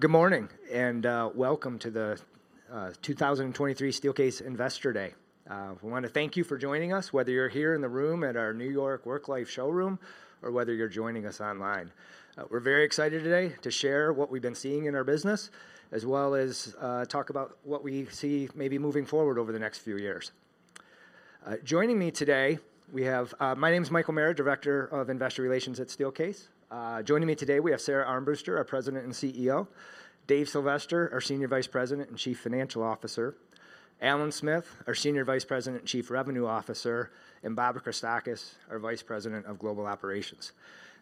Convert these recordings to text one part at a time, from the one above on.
Good morning, and welcome to the 2023 Steelcase Investor Day. We wanna thank you for joining us, whether you're here in the room at our New York WorkLife showroom, or whether you're joining us online. We're very excited today to share what we've been seeing in our business, as well as talk about what we see maybe moving forward over the next few years. Joining me today, we have. My name's Michael Merritt, Director of Investor Relations at Steelcase. Joining me today, we have Sara Armbruster, our President and CEO. Dave Sylvester, our Senior Vice President and Chief Financial Officer. Allan Smith, our Senior Vice President and Chief Revenue Officer, and Bob Krestakos, our Vice President of Global Operations.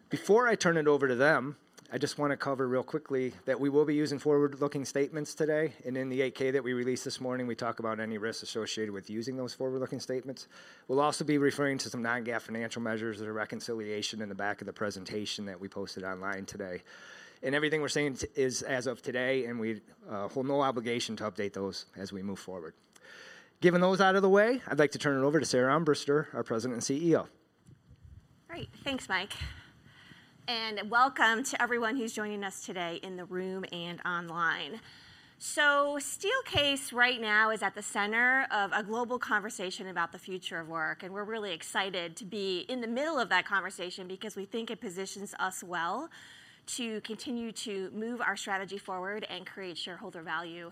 Before I turn it over to them, I just wanna cover real quickly that we will be using forward-looking statements today, and in the 8-K that we released this morning, we talk about any risks associated with using those forward-looking statements. We'll also be referring to some non-GAAP financial measures. There's a reconciliation in the back of the presentation that we posted online today. Everything we're saying is as of today, and we hold no obligation to update those as we move forward. Giving those out of the way, I'd like to turn it over to Sara Armbruster, our President and CEO. Great. Thanks, Mike. Welcome to everyone who's joining us today in the room and online. Steelcase right now is at the center of a global conversation about the future of work, and we're really excited to be in the middle of that conversation because we think it positions us well to continue to move our strategy forward and create shareholder value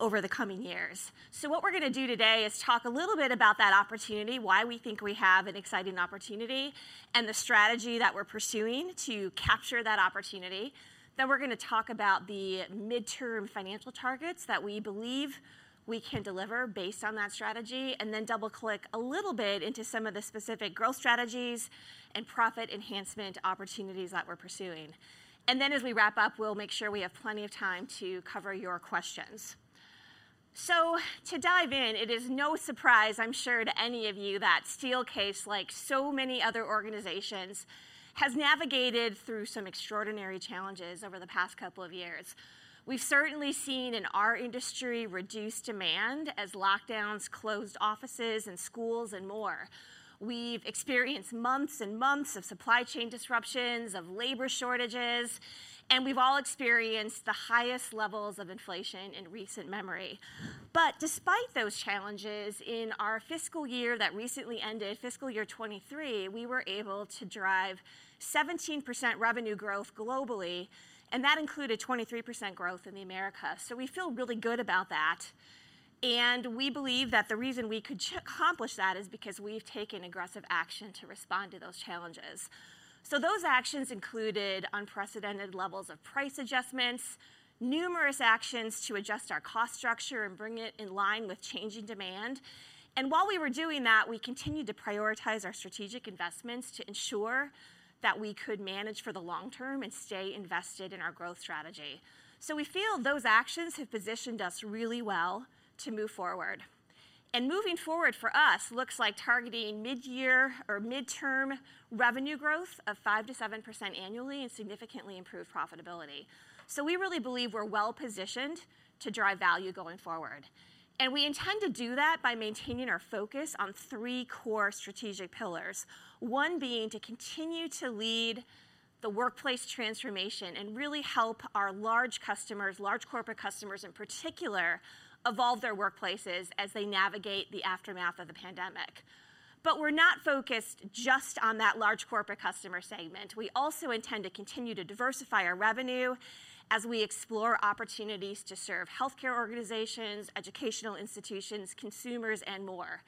over the coming years. What we're gonna do today is talk a little bit about that opportunity, why we think we have an exciting opportunity, and the strategy that we're pursuing to capture that opportunity. We're gonna talk about the midterm financial targets that we believe we can deliver based on that strategy, double-click a little bit into some of the specific growth strategies and profit enhancement opportunities that we're pursuing. As we wrap up, we'll make sure we have plenty of time to cover your questions. To dive in, it is no surprise, I'm sure, to any of you that Steelcase, like so many other organizations, has navigated through some extraordinary challenges over the past couple of years. We've certainly seen in our industry reduced demand as lockdowns closed offices and schools and more. We've experienced months and months of supply chain disruptions, of labor shortages, and we've all experienced the highest levels of inflation in recent memory. Despite those challenges, in our fiscal year that recently ended, fiscal year 2023, we were able to drive 17% revenue growth globally, and that included 23% growth in the Americas. We feel really good about that, and we believe that the reason we could accomplish that is because we've taken aggressive action to respond to those challenges. Those actions included unprecedented levels of price adjustments, numerous actions to adjust our cost structure and bring it in line with changing demand. While we were doing that, we continued to prioritize our strategic investments to ensure that we could manage for the long term and stay invested in our growth strategy. We feel those actions have positioned us really well to move forward. Moving forward for us looks like targeting mid-year or mid-term revenue growth of 5% to 7% annually and significantly improved profitability. We really believe we're well-positioned to drive value going forward. We intend to do that by maintaining our focus on three core strategic pillars, one being to continue to lead the workplace transformation and really help our large customers, large corporate customers in particular, evolve their workplaces as they navigate the aftermath of the pandemic. We're not focused just on that large corporate customer segment. We also intend to continue to diversify our revenue as we explore opportunities to serve healthcare organizations, educational institutions, consumers, and more.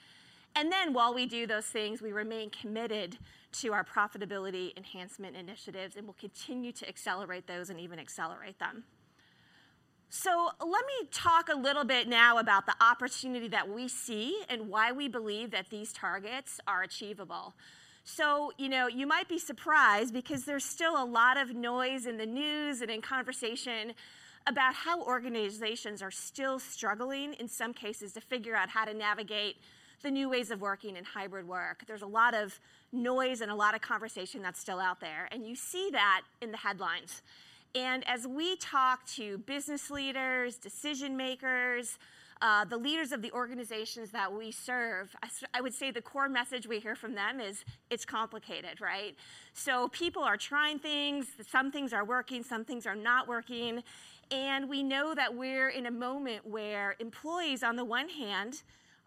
While we do those things, we remain committed to our profitability enhancement initiatives, and we'll continue to accelerate those and even accelerate them. Let me talk a little bit now about the opportunity that we see and why we believe that these targets are achievable. You know, you might be surprised because there's still a lot of noise in the news and in conversation about how organizations are still struggling in some cases to figure out how to navigate the new ways of working in hybrid work. There's a lot of noise and a lot of conversation that's still out there, and you see that in the headlines. As we talk to business leaders, decision-makers, the leaders of the organizations that we serve, I would say the core message we hear from them is, "It's complicated," right? People are trying things. Some things are working, some things are not working, and we know that we're in a moment where employees, on the one hand,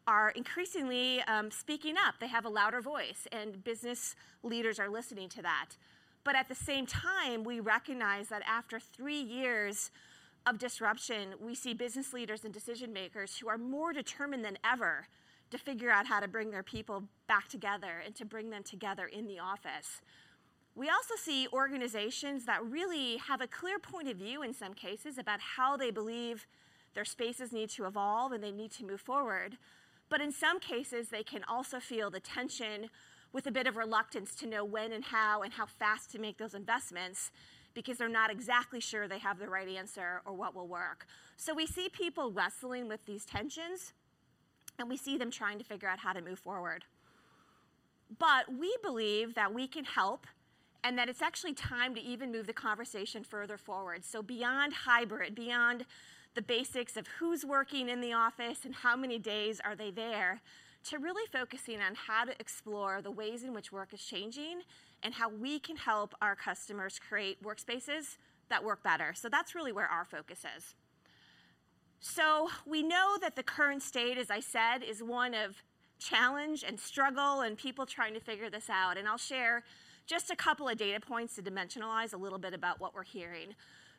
are increasingly speaking up. They have a louder voice, and business leaders are listening to that. At the same time, we recognize that after three years of disruption, we see business leaders and decision-makers who are more determined than ever to figure out how to bring their people back together and to bring them together in the office. We also see organizations that really have a clear point of view in some cases about how they believe their spaces need to evolve and they need to move forward. In some cases, they can also feel the tension with a bit of reluctance to know when and how and how fast to make those investments because they're not exactly sure they have the right answer or what will work. We see people wrestling with these tensions, and we see them trying to figure out how to move forward. We believe that we can help and that it's actually time to even move the conversation further forward. Beyond hybrid, beyond the basics of who's working in the office and how many days are they there, to really focusing on how to explore the ways in which work is changing and how we can help our customers create workspaces that work better. That's really where our focus is. We know that the current state, as I said, is one of challenge and struggle and people trying to figure this out, and I'll share just a couple of data points to dimensionalize a little bit about what we're hearing.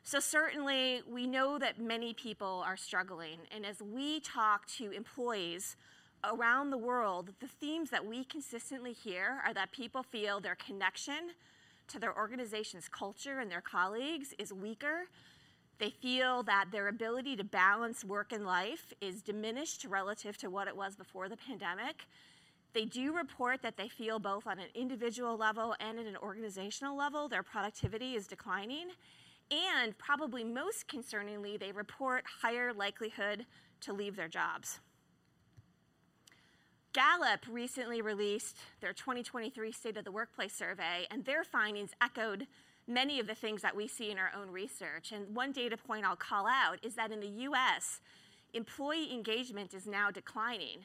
Certainly, we know that many people are struggling, and as we talk to employees around the world, the themes that we consistently hear are that people feel their connection to their organization's culture and their colleagues is weaker. They feel that their ability to balance work and life is diminished relative to what it was before the pandemic. They do report that they feel both on an individual level and at an organizational level, their productivity is declining. Probably most concerningly, they report higher likelihood to leave their jobs. Gallup recently released their 2023 State of the Workplace survey, their findings echoed many of the things that we see in our own research. One data point I'll call out is that in the U.S., employee engagement is now declining.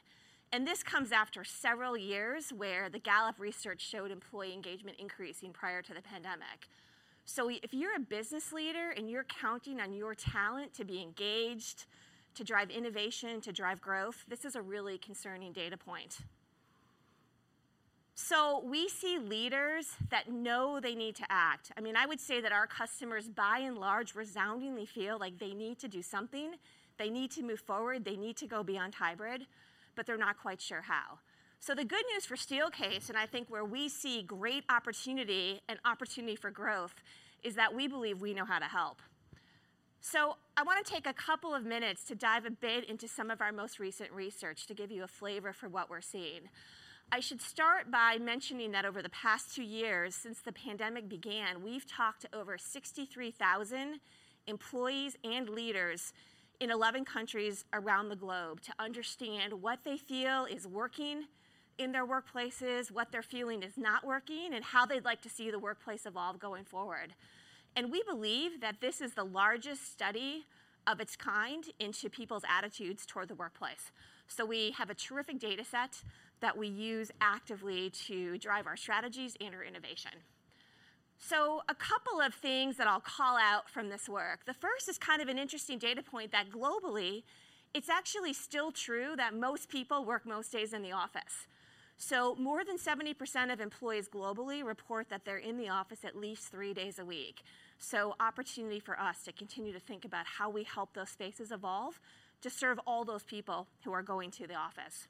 This comes after several years where the Gallup research showed employee engagement increasing prior to the pandemic. If you're a business leader and you're counting on your talent to be engaged, to drive innovation, to drive growth, this is a really concerning data point. We see leaders that know they need to act. I mean, I would say that our customers, by and large, resoundingly feel like they need to do something, they need to move forward, they need to go beyond hybrid, but they're not quite sure how. The good news for Steelcase, and I think where we see great opportunity and opportunity for growth, is that we believe we know how to help. I wanna take a couple of minutes to dive a bit into some of our most recent research to give you a flavor for what we're seeing. I should start by mentioning that over the past two years since the pandemic began, we've talked to over 63,000 employees and leaders in 11 countries around the globe to understand what they feel is working in their workplaces, what they're feeling is not working, and how they'd like to see the workplace evolve going forward. We believe that this is the largest study of its kind into people's attitudes toward the workplace. We have a terrific dataset that we use actively to drive our strategies and our innovation. A couple of things that I'll call out from this work. The first is kind of an interesting data point that globally, it's actually still true that most people work most days in the office. More than 70% of employees globally report that they're in the office at least three days a week. Opportunity for us to continue to think about how we help those spaces evolve to serve all those people who are going to the office.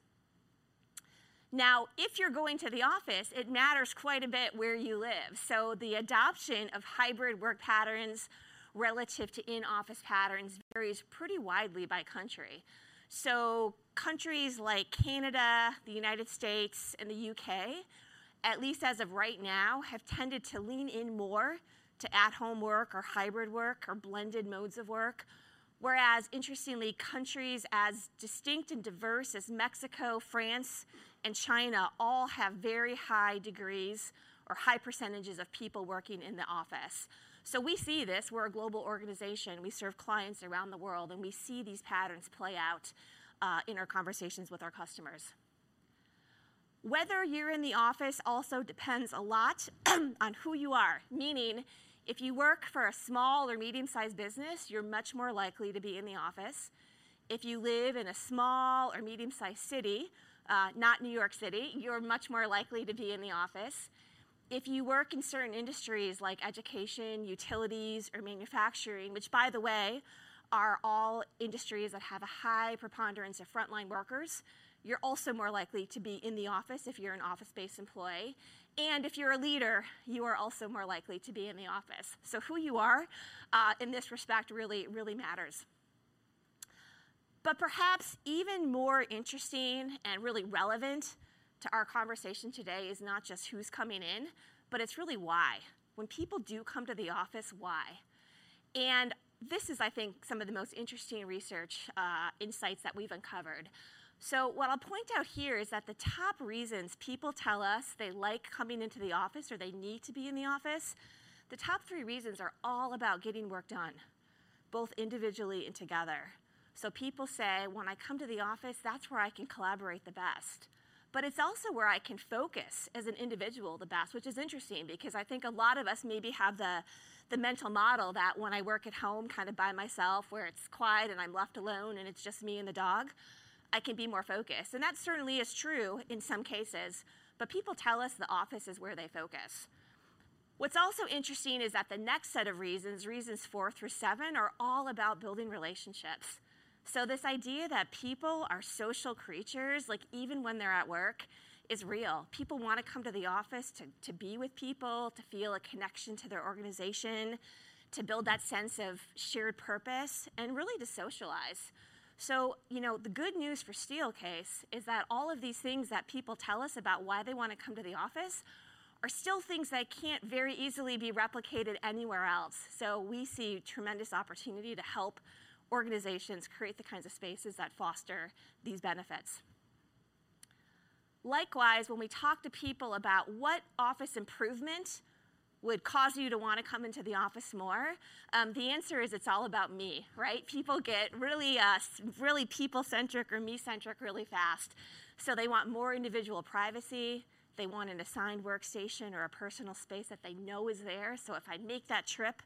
If you're going to the office, it matters quite a bit where you live. The adoption of hybrid work patterns relative to in-office patterns varies pretty widely by country. Countries like Canada, the United States, and the U.K., at least as of right now, have tended to lean in more to at home work or hybrid work or blended modes of work. Whereas interestingly, countries as distinct and diverse as Mexico, France, and China all have very high degrees or high percentages of people working in the office. We see this. We're a global organization. We serve clients around the world, and we see these patterns play out in our conversations with our customers. Whether you're in the office also depends a lot on who you are, meaning if you work for a small or medium-sized business, you're much more likely to be in the office. If you live in a small or medium-sized city, not New York City, you're much more likely to be in the office. If you work in certain industries like education, utilities, or manufacturing, which by the way, are all industries that have a high preponderance of frontline workers, you're also more likely to be in the office if you're an office-based employee. If you're a leader, you are also more likely to be in the office. Who you are, in this respect really, really matters. Perhaps even more interesting and really relevant to our conversation today is not just who's coming in, but it's really why. When people do come to the office, why? This is, I think, some of the most interesting research, insights that we've uncovered. What I'll point out here is that the top reasons people tell us they like coming into the office or they need to be in the office, the top three reasons are all about getting work done, both individually and together. People say, "When I come to the office, that's where I can collaborate the best, but it's also where I can focus as an individual the best," which is interesting because I think a lot of us maybe have the mental model that when I work at home by myself where it's quiet and I'm left alone and it's just me and the dog, I can be more focused. That certainly is true in some cases, but people tell us the office is where they focus. What's also interesting is that the next set of reasons four through seven, are all about building relationships. This idea that people are social creatures, like even when they're at work, is real. People wanna come to the office to be with people, to feel a connection to their organization, to build that sense of shared purpose, and really to socialize. You know, the good news for Steelcase is that all of these things that people tell us about why they wanna come to the office are still things that can't very easily be replicated anywhere else. We see tremendous opportunity to help organizations create the kinds of spaces that foster these benefits. Likewise, when we talk to people about what office improvement would cause you to wanna come into the office more, the answer is, "It's all about me," right? People get really, really people-centric or me-centric really fast. They want more individual privacy. They want an assigned workstation or a personal space that they know is there. If I make that trip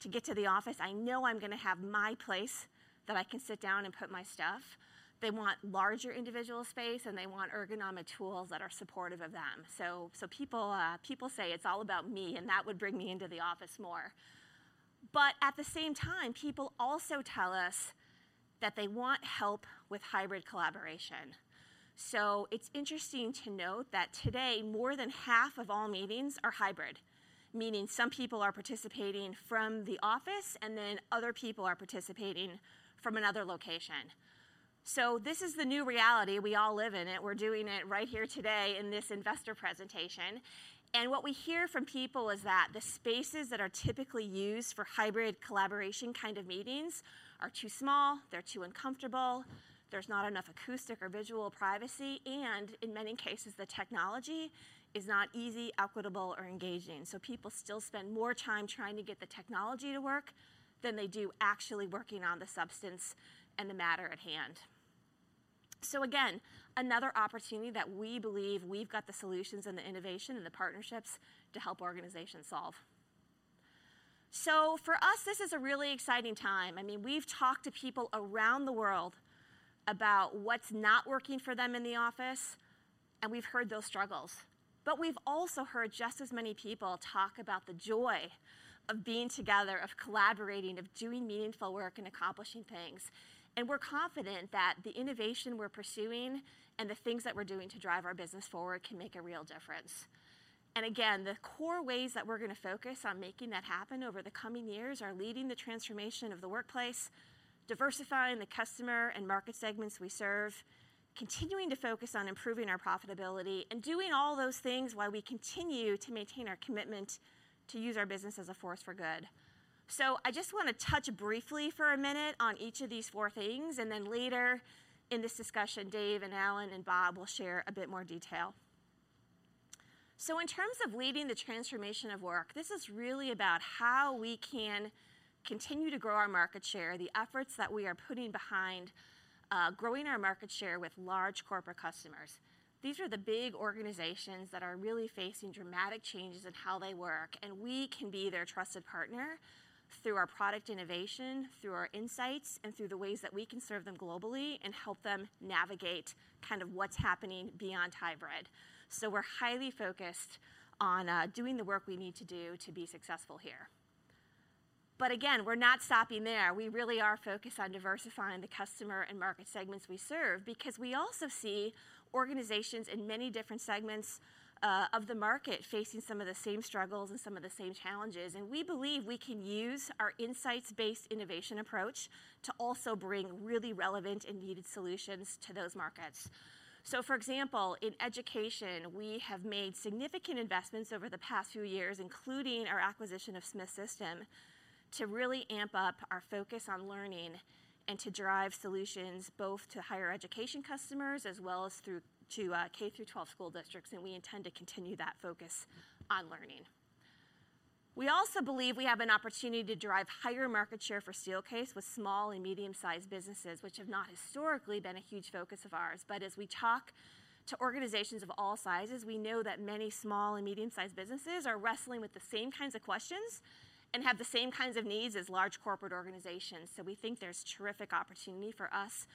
to get to the office, I know I'm gonna have my place that I can sit down and put my stuff. They want larger individual space, and they want ergonomic tools that are supportive of them. People say it's all about me, and that would bring me into the office more. At the same time, people also tell us that they want help with hybrid collaboration. It's interesting to note that today, more than half of all meetings are hybrid, meaning some people are participating from the office, and then other people are participating from another location. This is the new reality. We all live in it. We're doing it right here today in this investor presentation. What we hear from people is that the spaces that are typically used for hybrid collaboration kind of meetings are too small, they're too uncomfortable, there's not enough acoustic or visual privacy, and in many cases, the technology is not easy, equitable, or engaging. People still spend more time trying to get the technology to work than they do actually working on the substance and the matter at hand. Again, another opportunity that we believe we've got the solutions and the innovation and the partnerships to help organizations solve. For us, this is a really exciting time. I mean, we've talked to people around the world about what's not working for them in the office, and we've heard those struggles. We've also heard just as many people talk about the joy of being together, of collaborating, of doing meaningful work and accomplishing things. We're confident that the innovation we're pursuing and the things that we're doing to drive our business forward can make a real difference. Again, the core ways that we're gonna focus on making that happen over the coming years are leading the transformation of the workplace, diversifying the customer and market segments we serve, continuing to focus on improving our profitability, and doing all those things while we continue to maintain our commitment to use our business as a force for good. I just wanna touch briefly for a minute on each of these four things, and then later in this discussion, Dave and Allan and Bob will share a bit more detail. In terms of leading the transformation of work, this is really about how we can continue to grow our market share, the efforts that we are putting behind, growing our market share with large corporate customers. These are the big organizations that are really facing dramatic changes in how they work, and we can be their trusted partner through our product innovation, through our insights, and through the ways that we can serve them globally and help them navigate kind of what's happening beyond hybrid. We're highly focused on doing the work we need to do to be successful here. Again, we're not stopping there. We really are focused on diversifying the customer and market segments we serve because we also see organizations in many different segments of the market facing some of the same struggles and some of the same challenges. We believe we can use our insights-based innovation approach to also bring really relevant and needed solutions to those markets. For example, in education, we have made significant investments over the past few years, including our acquisition of Smith System, to really amp up our focus on learning and to drive solutions both to higher education customers as well as through to K-12 school districts, and we intend to continue that focus on learning. We also believe we have an opportunity to drive higher market share for Steelcase with small and medium-sized businesses, which have not historically been a huge focus of ours. As we talk to organizations of all sizes, we know that many small and medium-sized businesses are wrestling with the same kinds of questions and have the same kinds of needs as large corporate organizations. We think there's terrific opportunity for us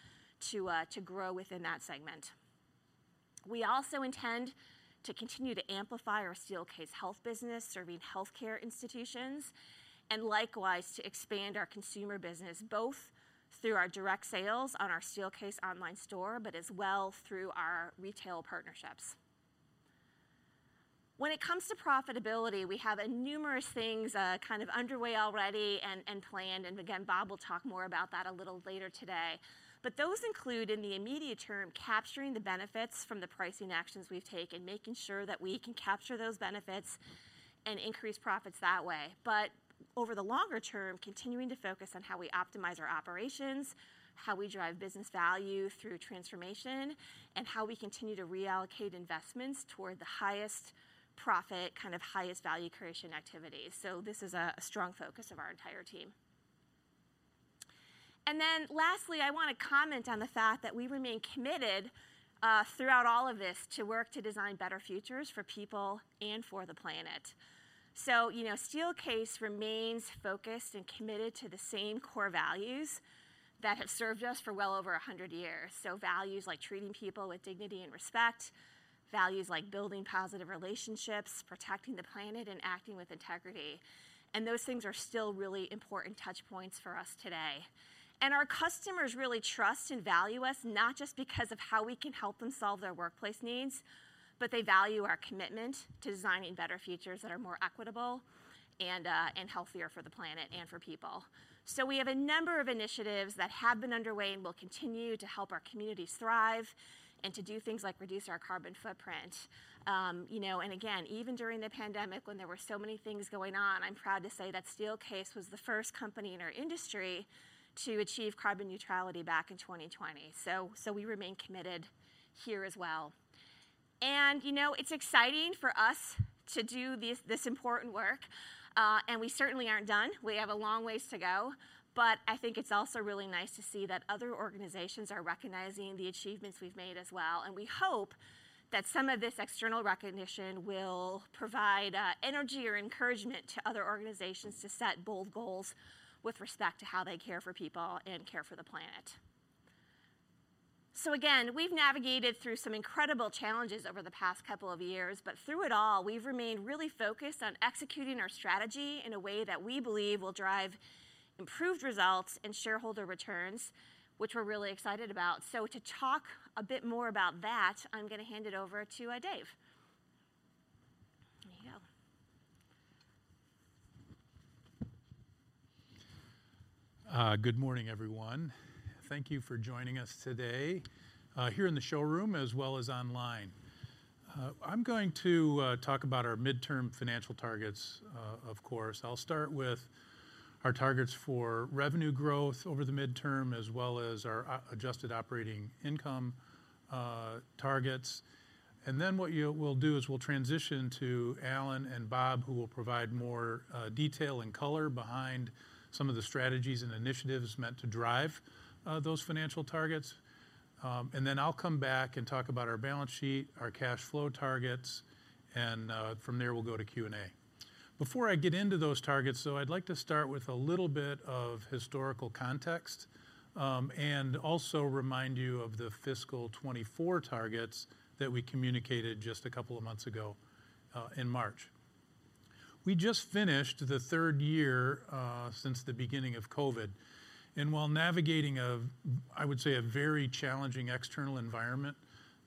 to grow within that segment. We also intend to continue to amplify our Steelcase Health business, serving healthcare institutions, and likewise, to expand our consumer business, both through our direct sales on our Steelcase online store, but as well through our retail partnerships. When it comes to profitability, we have numerous things kind of underway already and planned, and again, Bob will talk more about that a little later today. Those include, in the immediate term, capturing the benefits from the pricing actions we've taken, making sure that we can capture those benefits and increase profits that way. Over the longer term, continuing to focus on how we optimize our operations, how we drive business value through transformation, and how we continue to reallocate investments toward the highest profit, kind of highest value creation activities. This is a strong focus of our entire team. Lastly, I wanna comment on the fact that we remain committed throughout all of this to work to design better futures for people and for the planet. You know, Steelcase remains focused and committed to the same core values that have served us for well over 100 years. Values like treating people with dignity and respect, values like building positive relationships, protecting the planet, and acting with integrity. Those things are still really important touchpoints for us today. Our customers really trust and value us not just because of how we can help them solve their workplace needs, but they value our commitment to designing better futures that are more equitable and healthier for the planet and for people. We have a number of initiatives that have been underway and will continue to help our communities thrive and to do things like reduce our carbon footprint. You know, and again, even during the pandemic when there were so many things going on, I'm proud to say that Steelcase was the first company in our industry to achieve carbon neutrality back in 2020. We remain committed here as well. You know, it's exciting for us to do this important work, and we certainly aren't done. We have a long ways to go, but I think it's also really nice to see that other organizations are recognizing the achievements we've made as well, and we hope that some of this external recognition will provide energy or encouragement to other organizations to set bold goals with respect to how they care for people and care for the planet. Again, we've navigated through some incredible challenges over the past couple of years, but through it all, we've remained really focused on executing our strategy in a way that we believe will drive improved results and shareholder returns, which we're really excited about. To talk a bit more about that, I'm gonna hand it over to Dave. There you go. Good morning, everyone. Thank you for joining us today, here in the showroom as well as online. I'm going to talk about our midterm financial targets, of course. I'll start with our targets for revenue growth over the midterm as well as our adjusted operating income targets. What we'll do is we'll transition to Allan Smith and Bob Krestakos, who will provide more detail and color behind some of the strategies and initiatives meant to drive those financial targets. I'll come back and talk about our balance sheet, our cash flow targets, and from there, we'll go to Q&A. Before I get into those targets, though, I'd like to start with a little bit of historical context and also remind you of the fiscal 2024 targets that we communicated just a couple of months ago in March. We just finished the third year since the beginning of COVID. While navigating a, I would say, a very challenging external environment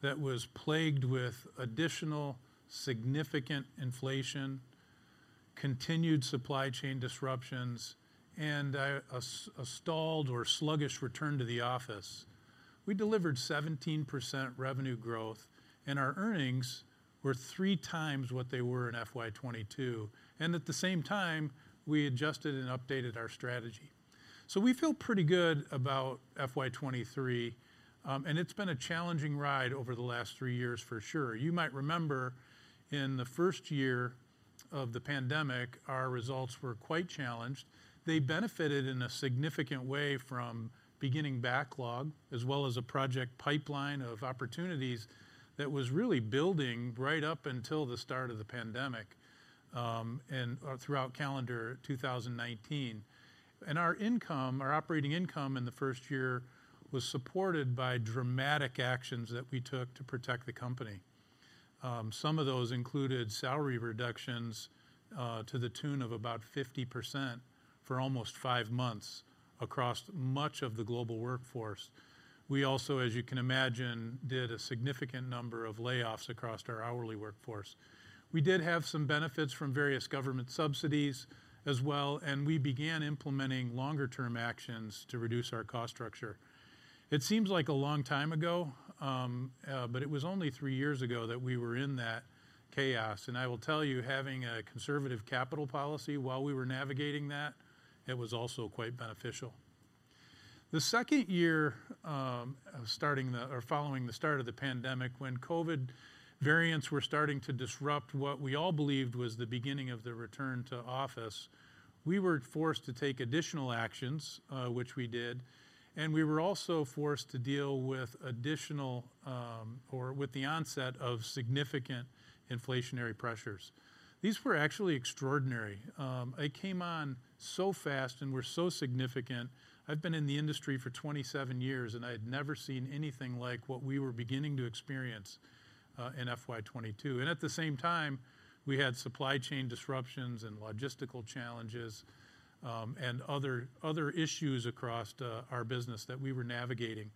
that was plagued with additional significant inflation, continued supply chain disruptions, and a stalled or sluggish return to the office, we delivered 17% revenue growth. Our earnings were three times what they were in FY 2022, and at the same time, we adjusted and updated our strategy. We feel pretty good about FY 2023, and it's been a challenging ride over the last three years for sure. You might remember in the first year of the pandemic, our results were quite challenged. They benefited in a significant way from beginning backlog, as well as a project pipeline of opportunities that was really building right up until the start of the pandemic and throughout calendar 2019. Our income, our operating income in the first year was supported by dramatic actions that we took to protect the company. Some of those included salary reductions to the tune of about 50% for almost 5 months across much of the global workforce. We also, as you can imagine, did a significant number of layoffs across our hourly workforce. We did have some benefits from various government subsidies as well, and we began implementing longer-term actions to reduce our cost structure. It seems like a long time ago, but it was only 3 years ago that we were in that chaos. I will tell you, having a conservative capital policy while we were navigating that, it was also quite beneficial. The second year, following the start of the pandemic, when COVID variants were starting to disrupt what we all believed was the beginning of the return to office, we were forced to take additional actions, which we did, and we were also forced to deal with additional, or with the onset of significant inflationary pressures. These were actually extraordinary. They came on so fast and were so significant. I've been in the industry for 27 years. I had never seen anything like what we were beginning to experience in FY 2022. At the same time, we had supply chain disruptions and logistical challenges, and other issues across our business that we were navigating.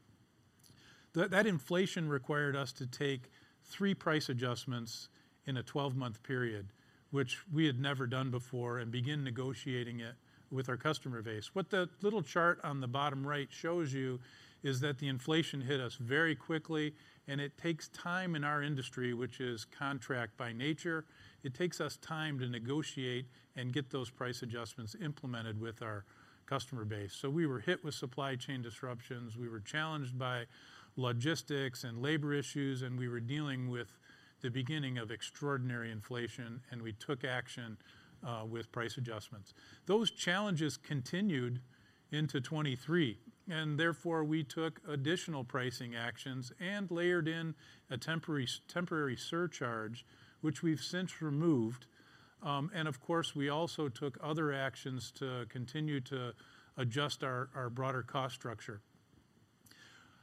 That inflation required us to take 3 price adjustments in a 12-month period, which we had never done before, and begin negotiating it with our customer base. What that little chart on the bottom right shows you is that the inflation hit us very quickly, and it takes time in our industry, which is contract by nature, it takes us time to negotiate and get those price adjustments implemented with our customer base. We were hit with supply chain disruptions, we were challenged by logistics and labor issues, and we were dealing with the beginning of extraordinary inflation, and we took action with price adjustments. Those challenges continued into 2023, and therefore, we took additional pricing actions and layered in a temporary surcharge, which we've since removed. Of course, we also took other actions to continue to adjust our broader cost structure.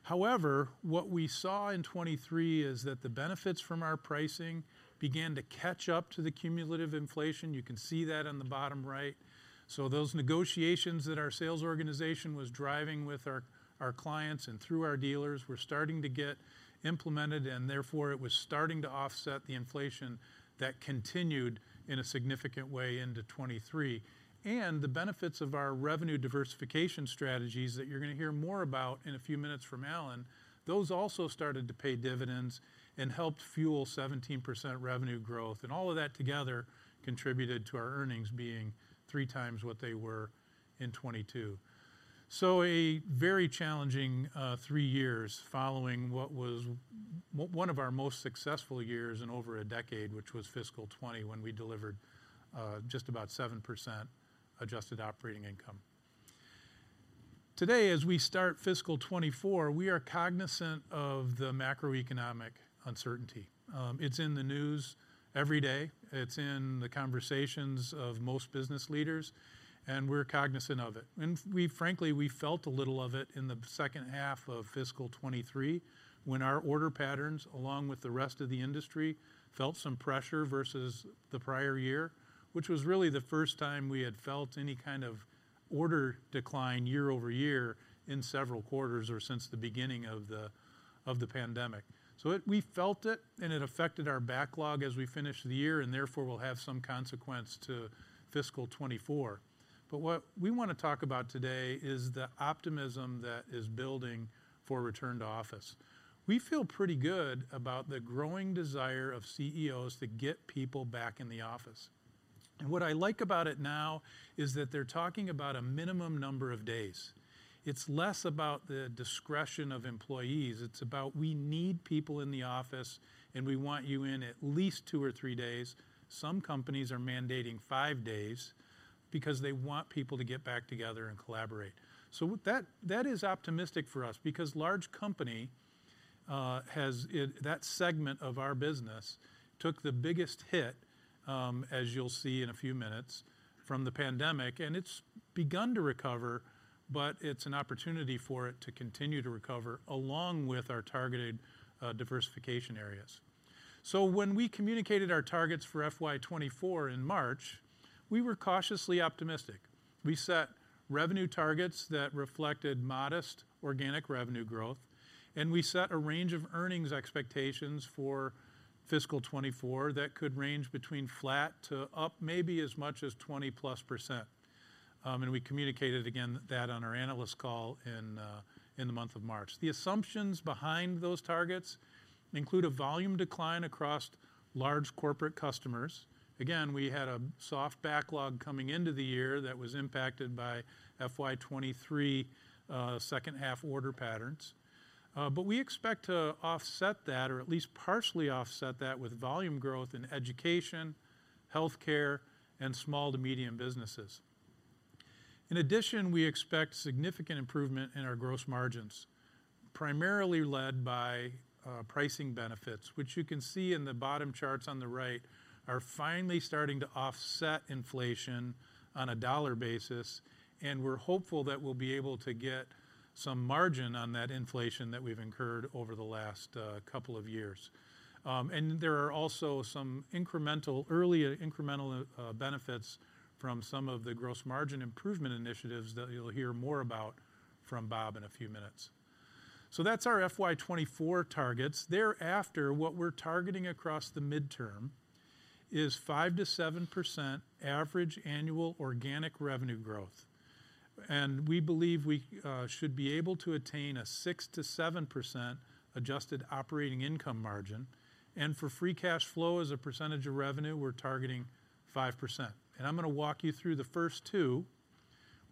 However, what we saw in 2023 is that the benefits from our pricing began to catch up to the cumulative inflation. You can see that on the bottom right. Those negotiations that our sales organization was driving with our clients and through our dealers were starting to get implemented, and therefore, it was starting to offset the inflation that continued in a significant way into 2023. The benefits of our revenue diversification strategies that you're gonna hear more about in a few minutes from Allan, those also started to pay dividends and helped fuel 17% revenue growth. All of that together contributed to our earnings being 3x what they were in 2022. A very challenging, three years following what was one of our most successful years in over a decade, which was fiscal 2020, when we delivered, just about 7% adjusted operating income. As we start fiscal 2024, we are cognizant of the macroeconomic uncertainty. It's in the news every day. It's in the conversations of most business leaders, and we're cognizant of it. Frankly, we felt a little of it in the second half of fiscal 2023 when our order patterns, along with the rest of the industry, felt some pressure versus the prior year, which was really the first time we had felt any kind of order decline year-over-year in several quarters or since the beginning of the pandemic. It felt it, and it affected our backlog as we finished the year, and therefore will have some consequence to fiscal 2024. What we wanna talk about today is the optimism that is building for return to office. We feel pretty good about the growing desire of CEOs to get people back in the office. What I like about it now is that they're talking about a minimum number of days. It's less about the discretion of employees. It's about we need people in the office, and we want you in at least two or three days. Some companies are mandating five days because they want people to get back together and collaborate. That is optimistic for us because large company, that segment of our business took the biggest hit, as you'll see in a few minutes from the pandemic, and it's begun to recover, but it's an opportunity for it to continue to recover along with our targeted diversification areas. When we communicated our targets for FY 2024 in March, we were cautiously optimistic. We set revenue targets that reflected modest organic revenue growth. We set a range of earnings expectations for fiscal 2024 that could range between flat to up maybe as much as 20+%. We communicated again that on our analyst call in the month of March. The assumptions behind those targets include a volume decline across large corporate customers. Again, we had a soft backlog coming into the year that was impacted by FY 2023 second-half order patterns. We expect to offset that or at least partially offset that with volume growth in education, healthcare, and small to medium businesses. In addition, we expect significant improvement in our gross margins, primarily led by pricing benefits, which you can see in the bottom charts on the right are finally starting to offset inflation on a dollar basis, and we're hopeful that we'll be able to get some margin on that inflation that we've incurred over the last couple of years. There are also some incremental, early incremental benefits from some of the gross margin improvement initiatives that you'll hear more about from Bob in a few minutes. That's our FY 2024 targets. Thereafter, what we're targeting across the midterm is 5%-7% average annual organic revenue growth. We believe we should be able to attain a 6%-7% adjusted operating income margin. For free cash flow as a percentage of revenue, we're targeting 5%. I'm gonna walk you through the first two.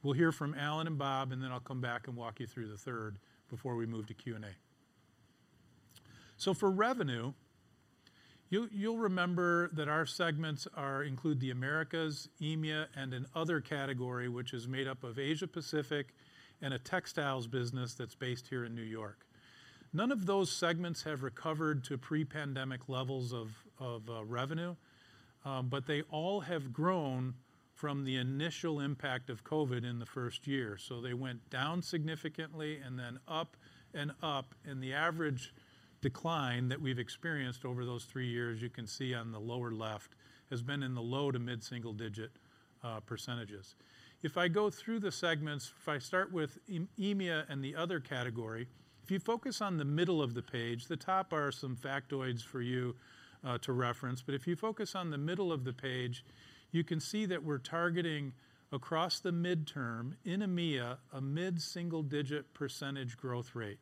We'll hear from Allan and Bob, and then I'll come back and walk you through the third before we move to Q&A. For revenue, you'll remember that our segments are include the Americas, EMEA, and an other category, which is made up of Asia-Pacific and a textiles business that's based here in New York. None of those segments have recovered to pre-pandemic levels of revenue, but they all have grown from the initial impact of COVID in the first year. They went down significantly and then up and up, and the average decline that we've experienced over those three years, you can see on the lower left, has been in the low to mid-single digit %. If I go through the segments, if I start with EMEA and the other category, if you focus on the middle of the page, the top are some factoids for you to reference, but if you focus on the middle of the page, you can see that we're targeting across the midterm in EMEA, a mid-single digit % growth rate.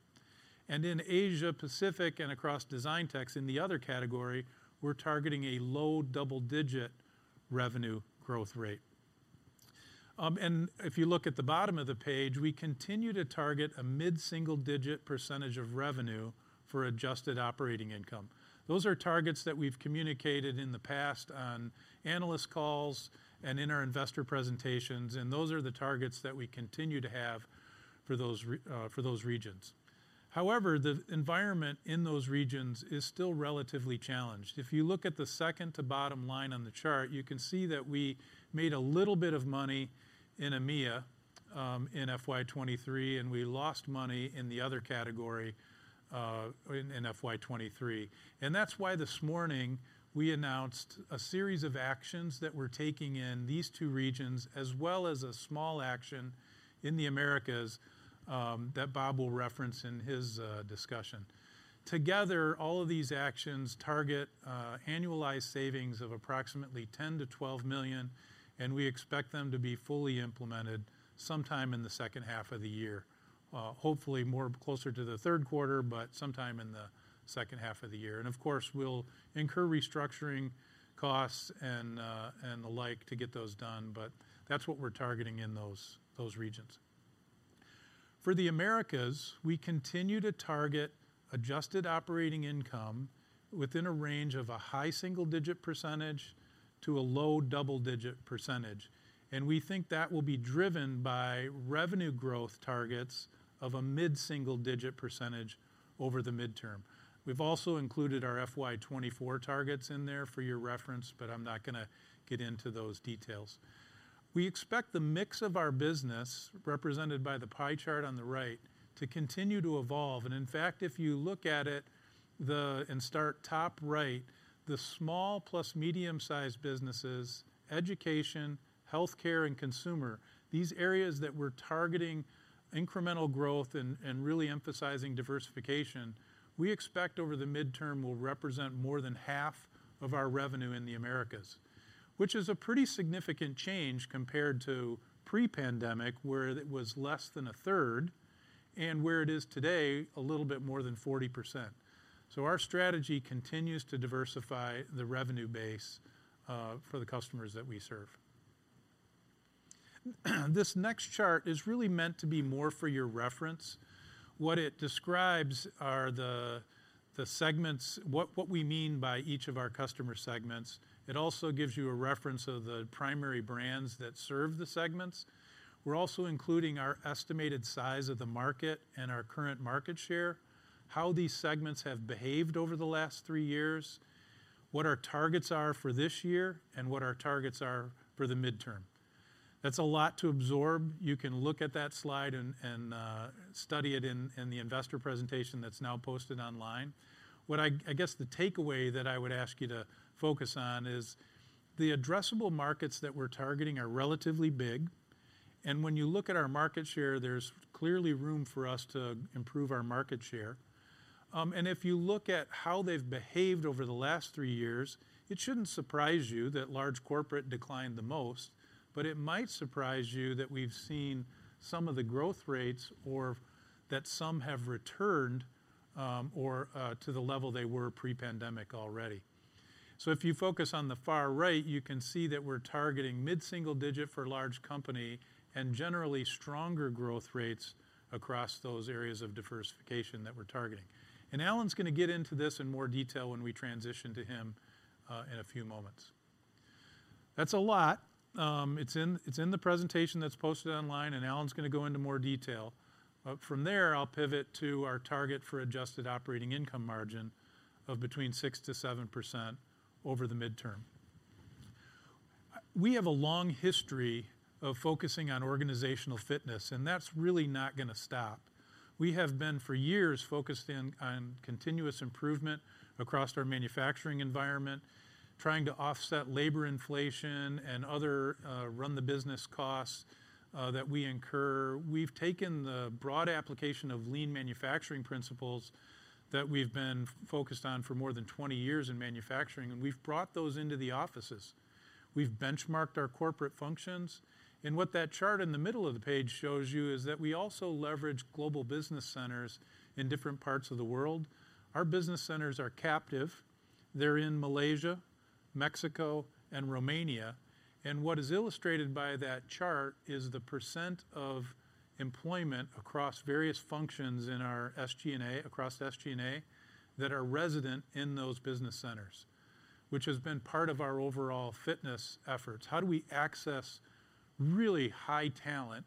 In Asia-Pacific and across Designtex in the other category, we're targeting a low double-digit % revenue growth rate. If you look at the bottom of the page, we continue to target a mid-single digit % of revenue for adjusted operating income. Those are targets that we've communicated in the past on analyst calls and in our investor presentations. Those are the targets that we continue to have for those regions. However, the environment in those regions is still relatively challenged. If you look at the second to bottom line on the chart, you can see that we made a little bit of money in EMEA in FY 23. We lost money in the other category in FY 23. That's why this morning we announced a series of actions that we're taking in these two regions as well as a small action in the Americas that Bob will reference in his discussion. Together, all of these actions target annualized savings of approximately $10 million-$12 million, and we expect them to be fully implemented sometime in the second half of the year. Hopefully more closer to the third quarter, but sometime in the second half of the year. Of course, we'll incur restructuring costs and the like to get those done, but that's what we're targeting in those regions. For the Americas, we continue to target adjusted operating income within a range of a high single-digit % to a low double-digit %. We think that will be driven by revenue growth targets of a mid-single digit % over the midterm. We've also included our FY 2024 targets in there for your reference, but I'm not gonna get into those details. We expect the mix of our business, represented by the pie chart on the right, to continue to evolve. In fact, if you look at it, and start top right, the small plus medium-sized businesses, education, healthcare, and consumer, these areas that we're targeting incremental growth and really emphasizing diversification, we expect over the midterm will represent more than 1/2 of our revenue in the Americas. Which is a pretty significant change compared to pre-pandemic, where it was less than 1/3, and where it is today, a little bit more than 40%. Our strategy continues to diversify the revenue base for the customers that we serve. This next chart is really meant to be more for your reference. What it describes are the segments, what we mean by each of our customer segments. It also gives you a reference of the primary brands that serve the segments. We're also including our estimated size of the market and our current market share, how these segments have behaved over the last three years, what our targets are for this year, and what our targets are for the midterm. That's a lot to absorb. You can look at that slide and study it in the investor presentation that's now posted online. I guess the takeaway that I would ask you to focus on is the addressable markets that we're targeting are relatively big, and when you look at our market share, there's clearly room for us to improve our market share. If you look at how they've behaved over the last three years, it shouldn't surprise you that large corporate declined the most, but it might surprise you that we've seen some of the growth rates that some have returned to the level they were pre-pandemic already. If you focus on the far right, you can see that we're targeting mid-single digit for large company and generally stronger growth rates across those areas of diversification that we're targeting. Alan's gonna get into this in more detail when we transition to him in a few moments. That's a lot. It's in the presentation that's posted online. Alan's gonna go into more detail. From there, I'll pivot to our target for adjusted operating income margin of between 6%-7% over the midterm. We have a long history of focusing on organizational fitness, and that's really not gonna stop. We have been, for years, focused in on continuous improvement across our manufacturing environment, trying to offset labor inflation and other run-the-business costs that we incur. We've taken the broad application of lean manufacturing principles that we've been focused on for more than 20 years in manufacturing, and we've brought those into the offices. We've benchmarked our corporate functions, and what that chart in the middle of the page shows you is that we also leverage global business centers in different parts of the world. Our business centers are captive. They're in Malaysia, Mexico, and Romania. What is illustrated by that chart is the % of employment across various functions in our SG&A, across SG&A, that are resident in those business centers, which has been part of our overall fitness efforts. How do we access really high talent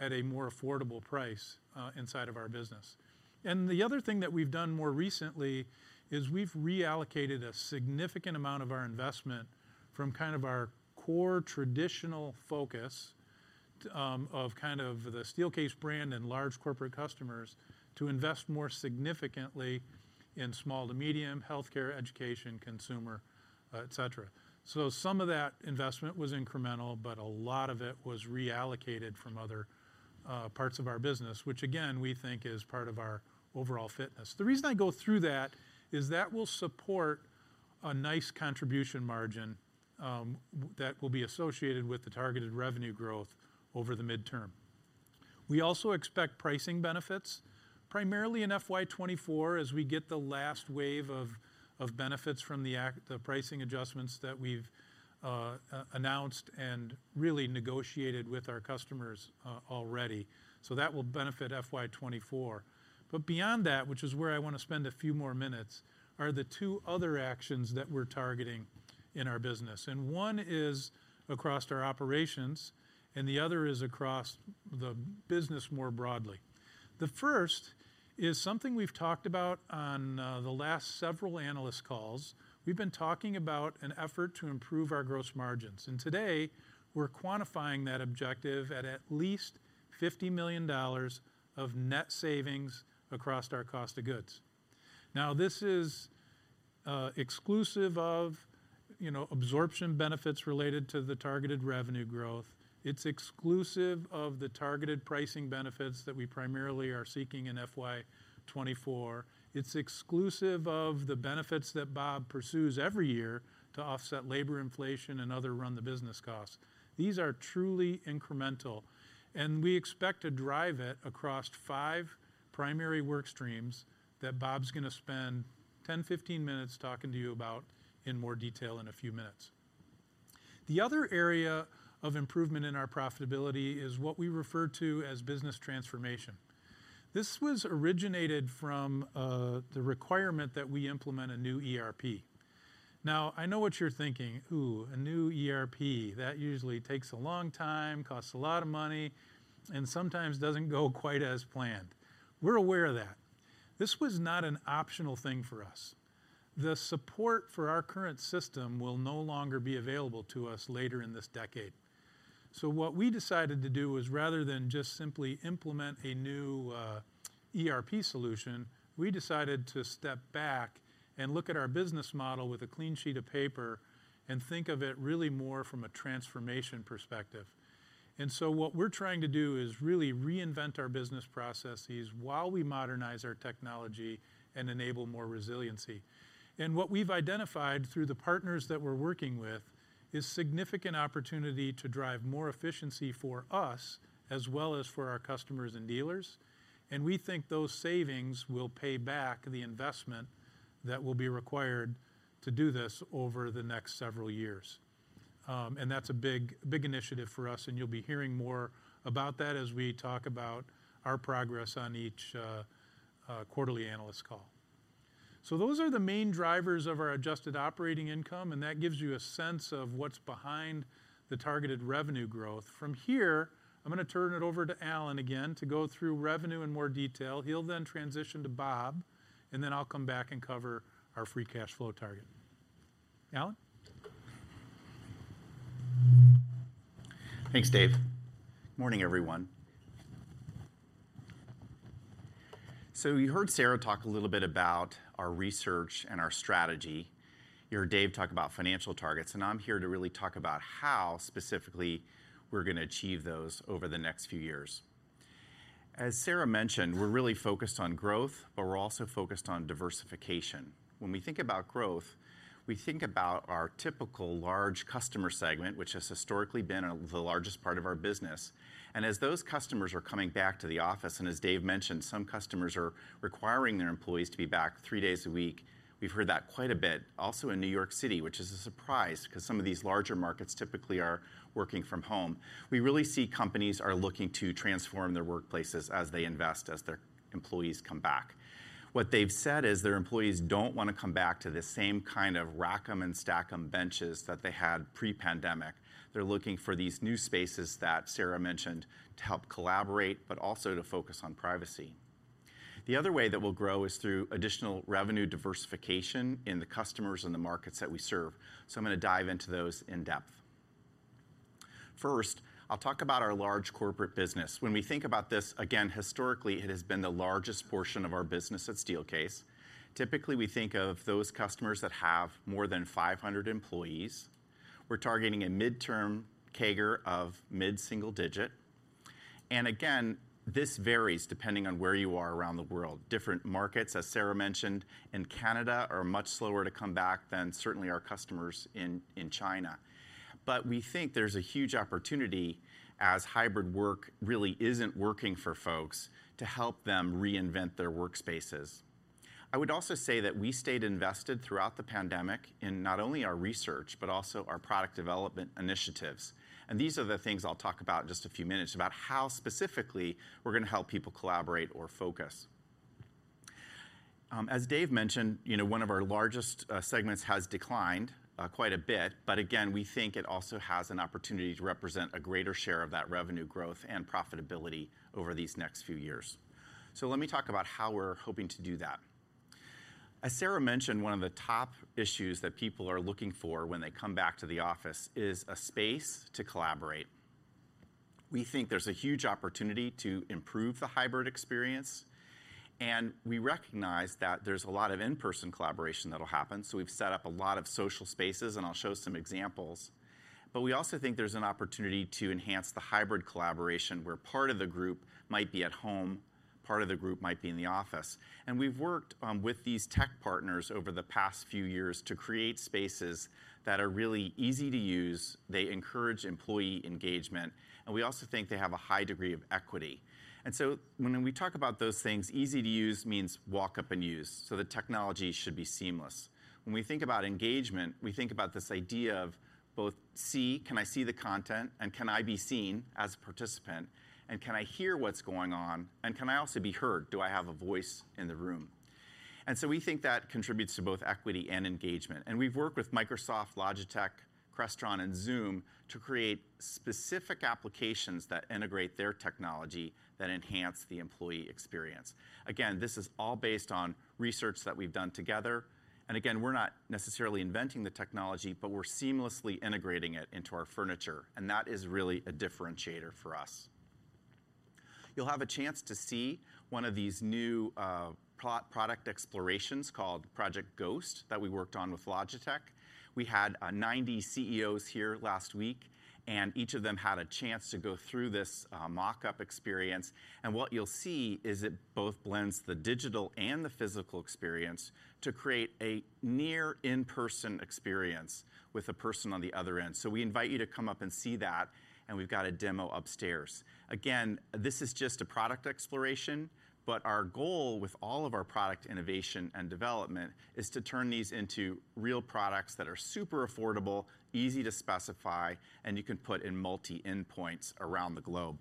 at a more affordable price, inside of our business? The other thing that we've done more recently is we've reallocated a significant amount of our investment from kind of our core traditional focus, of kind of the Steelcase brand and large corporate customers, to invest more significantly in small to medium, healthcare, education, consumer, et cetera. Some of that investment was incremental, but a lot of it was reallocated from other parts of our business, which again, we think is part of our overall fitness. The reason I go through that is that will support a nice contribution margin, that will be associated with the targeted revenue growth over the midterm. We also expect pricing benefits, primarily in FY 2024 as we get the last wave of benefits from the pricing adjustments that we've announced and really negotiated with our customers already. That will benefit FY 2024. Beyond that, which is where I wanna spend a few more minutes, are the two other actions that we're targeting in our business, one is across our operations, and the other is across the business more broadly. The first is something we've talked about on the last several analyst calls. We've been talking about an effort to improve our gross margins, and today we're quantifying that objective at least $50 million of net savings across our cost of goods. This is, you know, exclusive of absorption benefits related to the targeted revenue growth. It's exclusive of the targeted pricing benefits that we primarily are seeking in FY 2024. It's exclusive of the benefits that Bob pursues every year to offset labor inflation and other run-the-business costs. These are truly incremental, and we expect to drive it across 5 primary work streams that Bob's gonna spend 10, 15 minutes talking to you about in more detail in a few minutes. The other area of improvement in our profitability is what we refer to as business transformation. This was originated from the requirement that we implement a new ERP. Now, I know what you're thinking. Ooh, a new ERP, that usually takes a long time, costs a lot of money, and sometimes doesn't go quite as planned. We're aware of that. This was not an optional thing for us. The support for our current system will no longer be available to us later in this decade. What we decided to do was rather than just simply implement a new ERP solution, we decided to step back and look at our business model with a clean sheet of paper and think of it really more from a transformation perspective. What we're trying to do is really reinvent our business processes while we modernize our technology and enable more resiliency. What we've identified through the partners that we're working with is significant opportunity to drive more efficiency for us as well as for our customers and dealers, and we think those savings will pay back the investment that will be required to do this over the next several years. And that's a big, a big initiative for us, and you'll be hearing more about that as we talk about our progress on each quarterly analyst call. Those are the main drivers of our adjusted operating income, and that gives you a sense of what's behind the targeted revenue growth. From here, I'm gonna turn it over to Allan again to go through revenue in more detail. He'll then transition to Bob, and then I'll come back and cover our free cash flow target. Allan? Thanks, Dave. Morning, everyone. You heard Sarah talk a little bit about our research and our strategy. You heard Dave talk about financial targets, I'm here to really talk about how specifically we're gonna achieve those over the next few years. As Sarah mentioned, we're really focused on growth, we're also focused on diversification. When we think about growth, we think about our typical large customer segment, which has historically been the largest part of our business. As those customers are coming back to the office, and as Dave mentioned, some customers are requiring their employees to be back three days a week. We've heard that quite a bit also in New York City, which is a surprise 'cause some of these larger markets typically are working from home. We really see companies are looking to transform their workplaces as they invest, as their employees come back. What they've said is their employees don't wanna come back to the same kind of rack-em and stack-em benches that they had pre-pandemic. They're looking for these new spaces that Sara mentioned to help collaborate, but also to focus on privacy. The other way that we'll grow is through additional revenue diversification in the customers and the markets that we serve. I'm gonna dive into those in depth. First, I'll talk about our large corporate business. When we think about this, again, historically, it has been the largest portion of our business at Steelcase. Typically, we think of those customers that have more than 500 employees. We're targeting a midterm CAGR of mid-single digit. Again, this varies depending on where you are around the world. Different markets, as Sara mentioned, in Canada are much slower to come back than certainly our customers in China. We think there's a huge opportunity as hybrid work really isn't working for folks to help them reinvent their workspaces. I would also say that we stayed invested throughout the pandemic in not only our research, but also our product development initiatives. These are the things I'll talk about in just a few minutes, about how specifically we're gonna help people collaborate or focus. As Dave mentioned, you know, one of our largest segments has declined quite a bit, but again, we think it also has an opportunity to represent a greater share of that revenue growth and profitability over these next few years. Let me talk about how we're hoping to do that. As Sarah mentioned, one of the top issues that people are looking for when they come back to the office is a space to collaborate. We think there's a huge opportunity to improve the hybrid experience, and we recognize that there's a lot of in-person collaboration that'll happen, so we've set up a lot of social spaces, and I'll show some examples. We also think there's an opportunity to enhance the hybrid collaboration, where part of the group might be at home, part of the group might be in the office. We've worked with these tech partners over the past few years to create spaces that are really easy to use, they encourage employee engagement, and we also think they have a high degree of equity. When we talk about those things, easy to use means walk up and use, so the technology should be seamless. When we think about engagement, we think about this idea of both see, can I see the content, and can I be seen as a participant, and can I hear what's going on, and can I also be heard? Do I have a voice in the room? We think that contributes to both equity and engagement. We've worked with Microsoft, Logitech, Crestron, and Zoom to create specific applications that integrate their technology that enhance the employee experience. Again, this is all based on research that we've done together. Again, we're not necessarily inventing the technology, but we're seamlessly integrating it into our furniture, and that is really a differentiator for us. You'll have a chance to see one of these new pro-product explorations called Project Ghost that we worked on with Logitech. We had 90 CEOs here last week, each of them had a chance to go through this mock-up experience. What you'll see is it both blends the digital and the physical experience to create a near in-person experience with a person on the other end. We invite you to come up and see that, and we've got a demo upstairs. Again, this is just a product exploration, but our goal with all of our product innovation and development is to turn these into real products that are super affordable, easy to specify, and you can put in multi endpoints around the globe.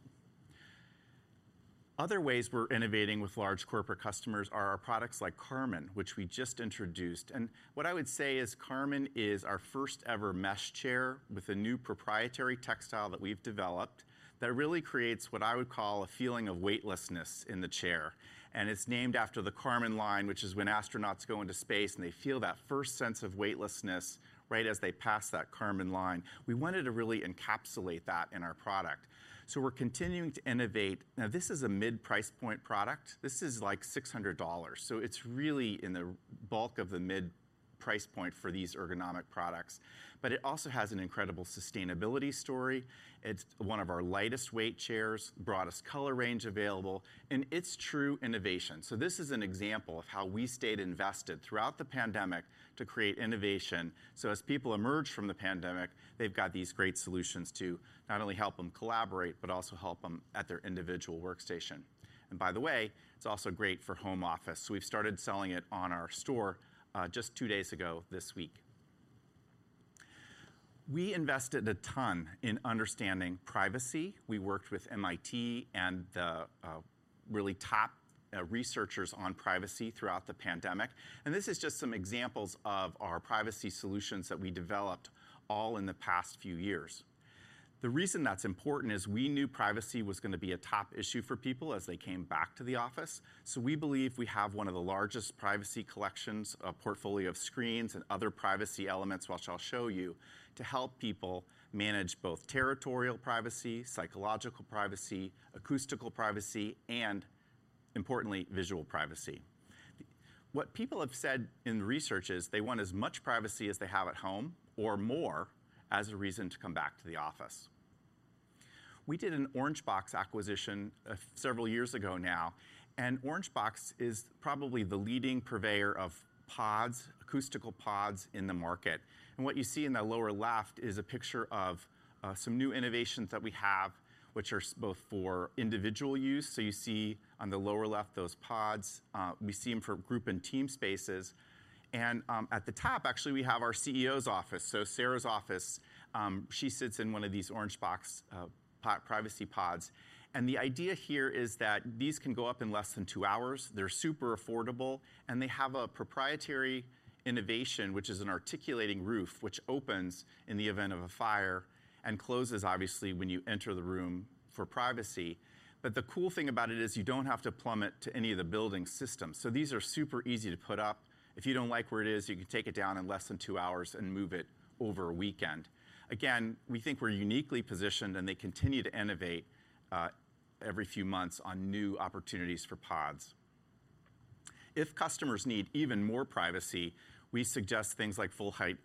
Other ways we're innovating with large corporate customers are our products like Karman, which we just introduced. What I would say is Karman is our first ever mesh chair with a new proprietary textile that we've developed that really creates what I would call a feeling of weightlessness in the chair. It's named after the Kármán line, which is when astronauts go into space, and they feel that first sense of weightlessness right as they pass that Kármán line. We wanted to really encapsulate that in our product, so we're continuing to innovate. This is a mid-price point product. This is like $600, so it's really in the bulk of the mid-price point for these ergonomic products. It also has an incredible sustainability story. It's one of our lightest weight chairs, broadest color range available, and it's true innovation. This is an example of how we stayed invested throughout the pandemic to create innovation, so as people emerge from the pandemic, they've got these great solutions to not only help them collaborate, but also help them at their individual workstation. By the way, it's also great for home office. We've started selling it on our store, just two days ago this week. We invested a ton in understanding privacy. We worked with MIT and the really top researchers on privacy throughout the pandemic. This is just some examples of our privacy solutions that we developed all in the past few years. The reason that's important is we knew privacy was gonna be a top issue for people as they came back to the office, so we believe we have one of the largest privacy collections, a portfolio of screens and other privacy elements, which I'll show you, to help people manage both territorial privacy, psychological privacy, acoustical privacy, and importantly, visual privacy. What people have said in the research is they want as much privacy as they have at home or more as a reason to come back to the office. We did an Orangebox acquisition several years ago now, and Orangebox is probably the leading purveyor of pods, acoustical pods in the market. What you see in that lower left is a picture of some new innovations that we have which are both for individual use. You see on the lower left those pods, we see them for group and team spaces. At the top, actually, we have our CEO's office. Sara's office, she sits in one of these Orangebox privacy pods. The idea here is that these can go up in less than two hours. They're super affordable, and they have a proprietary innovation, which is an articulating roof, which opens in the event of a fire and closes obviously when you enter the room for privacy. The cool thing about it is you don't have to plumb it to any of the building's systems. These are super easy to put up. If you don't like where it is, you can take it down in less than two hours and move it over a weekend. Again, we think we're uniquely positioned, and they continue to innovate every few months on new opportunities for pods. If customers need even more privacy, we suggest things like full-height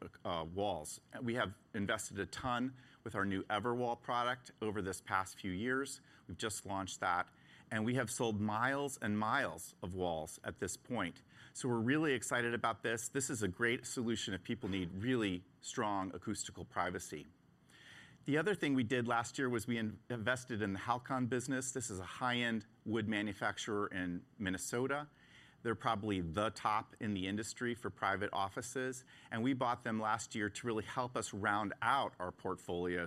walls. We have invested a ton with our new Everwall product over this past few years. We've just launched that, and we have sold miles and miles of walls at this point. We're really excited about this. This is a great solution if people need really strong acoustical privacy. The other thing we did last year was we invested in the HALCON business. This is a high-end wood manufacturer in Minnesota. They're probably the top in the industry for private offices, and we bought them last year to really help us round out our portfolio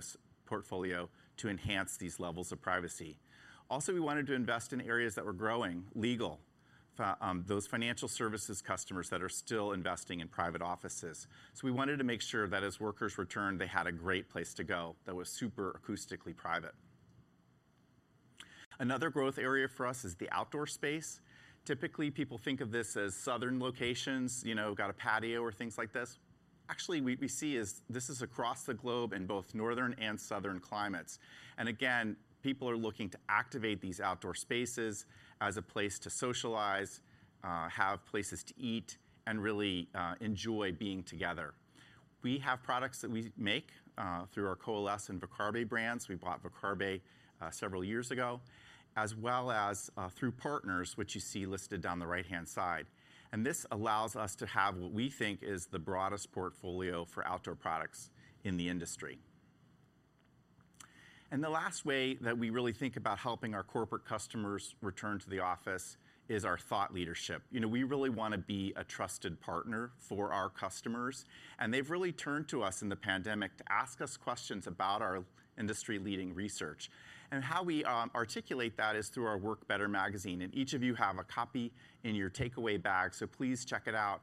to enhance these levels of privacy. We wanted to invest in areas that were growing, legal, those financial services customers that are still investing in private offices. We wanted to make sure that as workers returned, they had a great place to go that was super acoustically private. Another growth area for us is the outdoor space. Typically, people think of this as southern locations, you know, got a patio or things like this. Actually, we see is this is across the globe in both northern and southern climates. Again, people are looking to activate these outdoor spaces as a place to socialize, have places to eat, and really enjoy being together. We have products that we make through our Coalesse and Viccarbe brands. We bought Viccarbe several years ago, as well as through partners, which you see listed down the right-hand side. This allows us to have what we think is the broadest portfolio for outdoor products in the industry. The last way that we really think about helping our corporate customers return to the office is our thought leadership. You know, we really wanna be a trusted partner for our customers, and they've really turned to us in the pandemic to ask us questions about our industry-leading research. And how we articulate that is through our Work Better magazine, and each of you have a copy in your takeaway bag, so please check it out.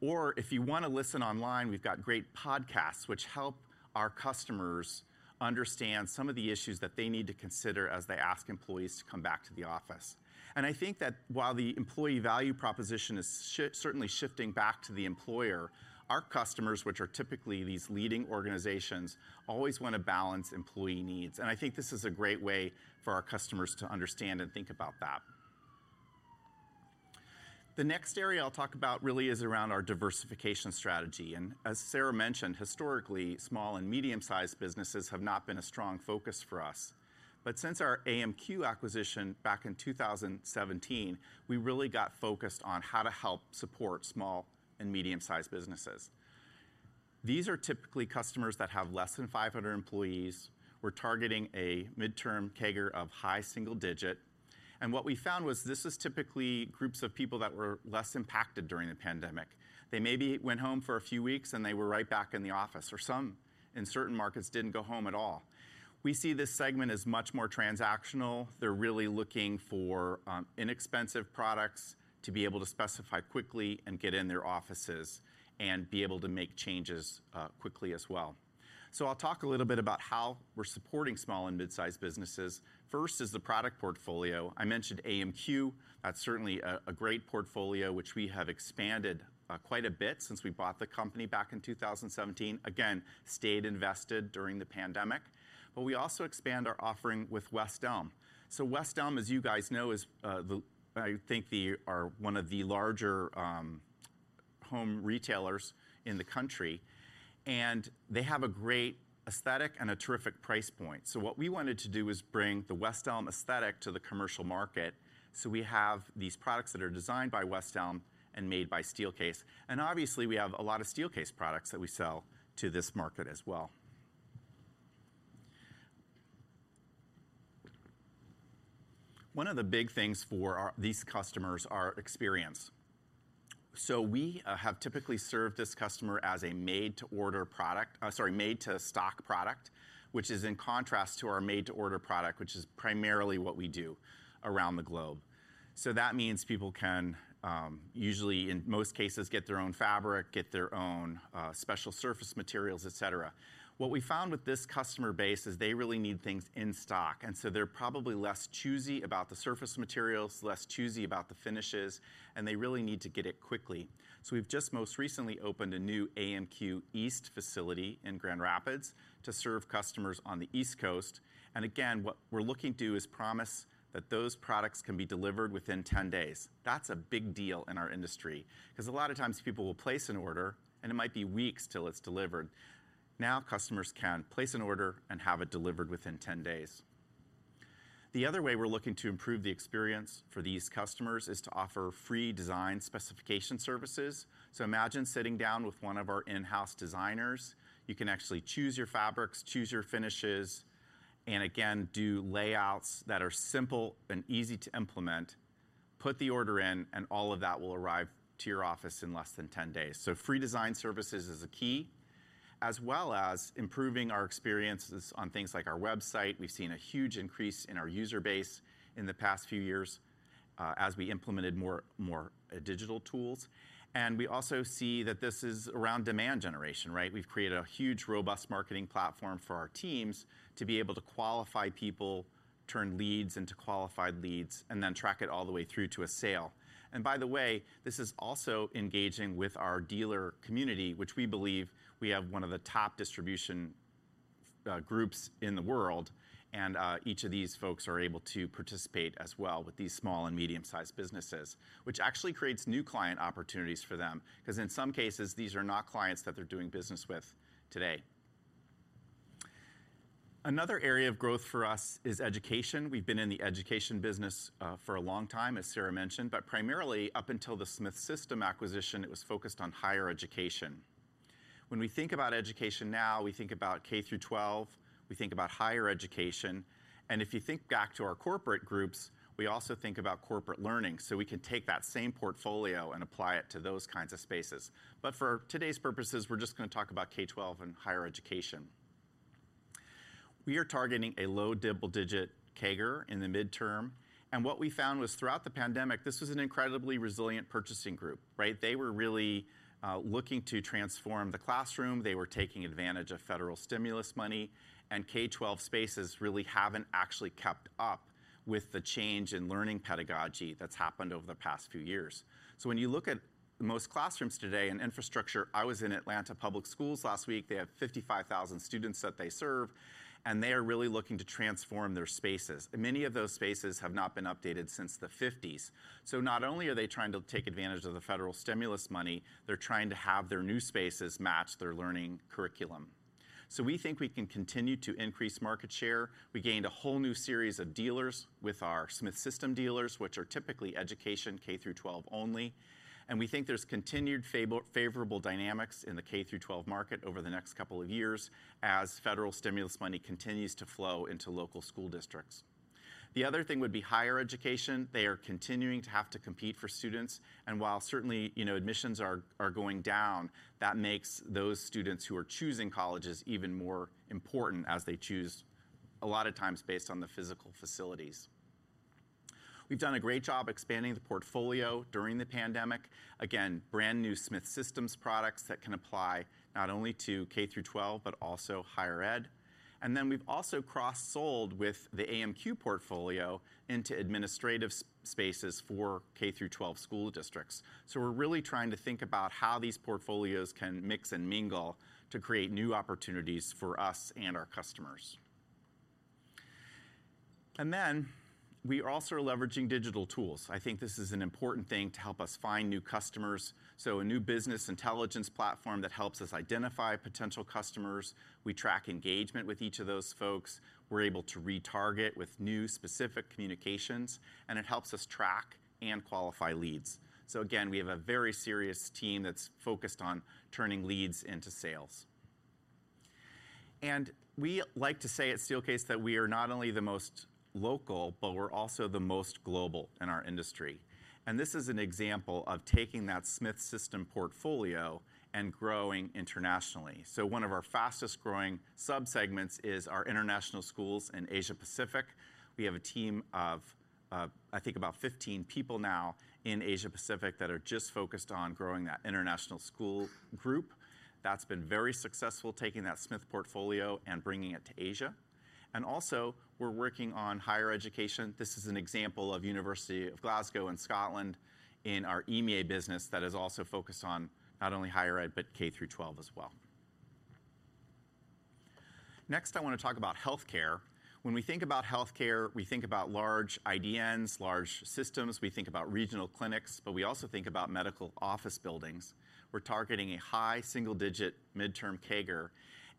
If you wanna listen online, we've got great podcasts which help our customers understand some of the issues that they need to consider as they ask employees to come back to the office. I think that while the employee value proposition is certainly shifting back to the employer, our customers, which are typically these leading organizations, always wanna balance employee needs. I think this is a great way for our customers to understand and think about that. The next area I'll talk about really is around our diversification strategy. As Sara mentioned, historically, small and medium-sized businesses have not been a strong focus for us. Since our AMQ acquisition back in 2017, we really got focused on how to help support small and medium-sized businesses. These are typically customers that have less than 500 employees. We're targeting a midterm CAGR of high single digit. What we found was this is typically groups of people that were less impacted during the pandemic. They maybe went home for a few weeks, they were right back in the office. Some, in certain markets, didn't go home at all. We see this segment as much more transactional. They're really looking for inexpensive products to be able to specify quickly and get in their offices and be able to make changes quickly as well. I'll talk a little bit about how we're supporting small and mid-size businesses. First is the product portfolio. I mentioned AMQ. That's certainly a great portfolio which we have expanded quite a bit since we bought the company back in 2017. Again, stayed invested during the pandemic. We also expand our offering with West Elm. West Elm, as you guys know, is the... Are one of the larger home retailers in the country, and they have a great aesthetic and a terrific price point. What we wanted to do was bring the West Elm aesthetic to the commercial market. We have these products that are designed by West Elm and made by Steelcase. Obviously we have a lot of Steelcase products that we sell to this market as well. One of the big things for our these customers are experience. We have typically served this customer as a made-to-order product, sorry, made-to-stock product, which is in contrast to our made-to-order product, which is primarily what we do around the globe. That means people can, usually in most cases, get their own fabric, get their own special surface materials, et cetera. What we found with this customer base is they really need things in stock, and so they're probably less choosy about the surface materials, less choosy about the finishes, and they really need to get it quickly. We've just most recently opened a new AMQ East facility in Grand Rapids to serve customers on the East Coast. Again, what we're looking to do is promise that those products can be delivered within 10 days. That's a big deal in our industry, 'cause a lot of times people will place an order, and it might be weeks till it's delivered. Now, customers can place an order and have it delivered within 10 days. The other way we're looking to improve the experience for these customers is to offer free design specification services. Imagine sitting down with one of our in-house designers. You can actually choose your fabrics, choose your finishes, and again, do layouts that are simple and easy to implement, put the order in, and all of that will arrive to your office in less than 10 days. Free design services is a key, as well as improving our experiences on things like our website. We've seen a huge increase in our user base in the past few years, as we implemented more digital tools. We also see that this is around demand generation, right? We've created a huge, robust marketing platform for our teams to be able to qualify people, turn leads into qualified leads, and then track it all the way through to a sale. By the way, this is also engaging with our dealer community, which we believe we have one of the top distribution groups in the world, and each of these folks are able to participate as well with these small and medium-sized businesses, which actually creates new client opportunities for them. 'Cause in some cases, these are not clients that they're doing business with today. Another area of growth for us is education. We've been in the education business for a long time, as Sara mentioned, but primarily up until the Smith System acquisition, it was focused on higher education. When we think about education now, we think about K-12, we think about higher education, and if you think back to our corporate groups, we also think about corporate learning, so we can take that same portfolio and apply it to those kinds of spaces. For today's purposes, we're just gonna talk about K-12 and higher education. We are targeting a low double-digit CAGR in the midterm, and what we found was throughout the pandemic, this was an incredibly resilient purchasing group, right? They were really looking to transform the classroom. They were taking advantage of federal stimulus money, and K-12 spaces really haven't actually kept up with the change in learning pedagogy that's happened over the past few years. When you look at most classrooms today and infrastructure. I was in Atlanta Public Schools last week. They have 55,000 students that they serve, and they are really looking to transform their spaces. Many of those spaces have not been updated since the fifties. Not only are they trying to take advantage of the federal stimulus money, they're trying to have their new spaces match their learning curriculum. We think we can continue to increase market share. We gained a whole new series of dealers with our Smith System dealers, which are typically education K-12 only, and we think there's continued favorable dynamics in the K-12 market over the next couple of years as federal stimulus money continues to flow into local school districts. The other thing would be higher education. They are continuing to have to compete for students, and while certainly, you know, admissions are going down, that makes those students who are choosing colleges even more important as they choose a lot of times based on the physical facilities. We've done a great job expanding the portfolio during the pandemic. Again, brand new Smith System products that can apply not only to K-12, but also higher ed. We've also cross-sold with the AMQ portfolio into administrative spaces for K-12 school districts. We're really trying to think about how these portfolios can mix and mingle to create new opportunities for us and our customers. We are also leveraging digital tools. I think this is an important thing to help us find new customers. A new business intelligence platform that helps us identify potential customers. We track engagement with each of those folks. We're able to retarget with new specific communications, and it helps us track and qualify leads. Again, we have a very serious team that's focused on turning leads into sales. We like to say at Steelcase that we are not only the most local, but we're also the most global in our industry. This is an example of taking that Smith System portfolio and growing internationally. One of our fastest-growing subsegments is our international schools in Asia Pacific. We have a team of, I think about 15 people now in Asia Pacific that are just focused on growing that international school group. That's been very successful, taking that Smith portfolio and bringing it to Asia. Also, we're working on higher education. This is an example of University of Glasgow in Scotland in our EMEA business that is also focused on not only higher ed, but K-12 as well. Next, I want to talk about healthcare. When we think about healthcare, we think about large IDNs, large systems. We think about regional clinics, but we also think about medical office buildings. We're targeting a high single-digit midterm CAGR.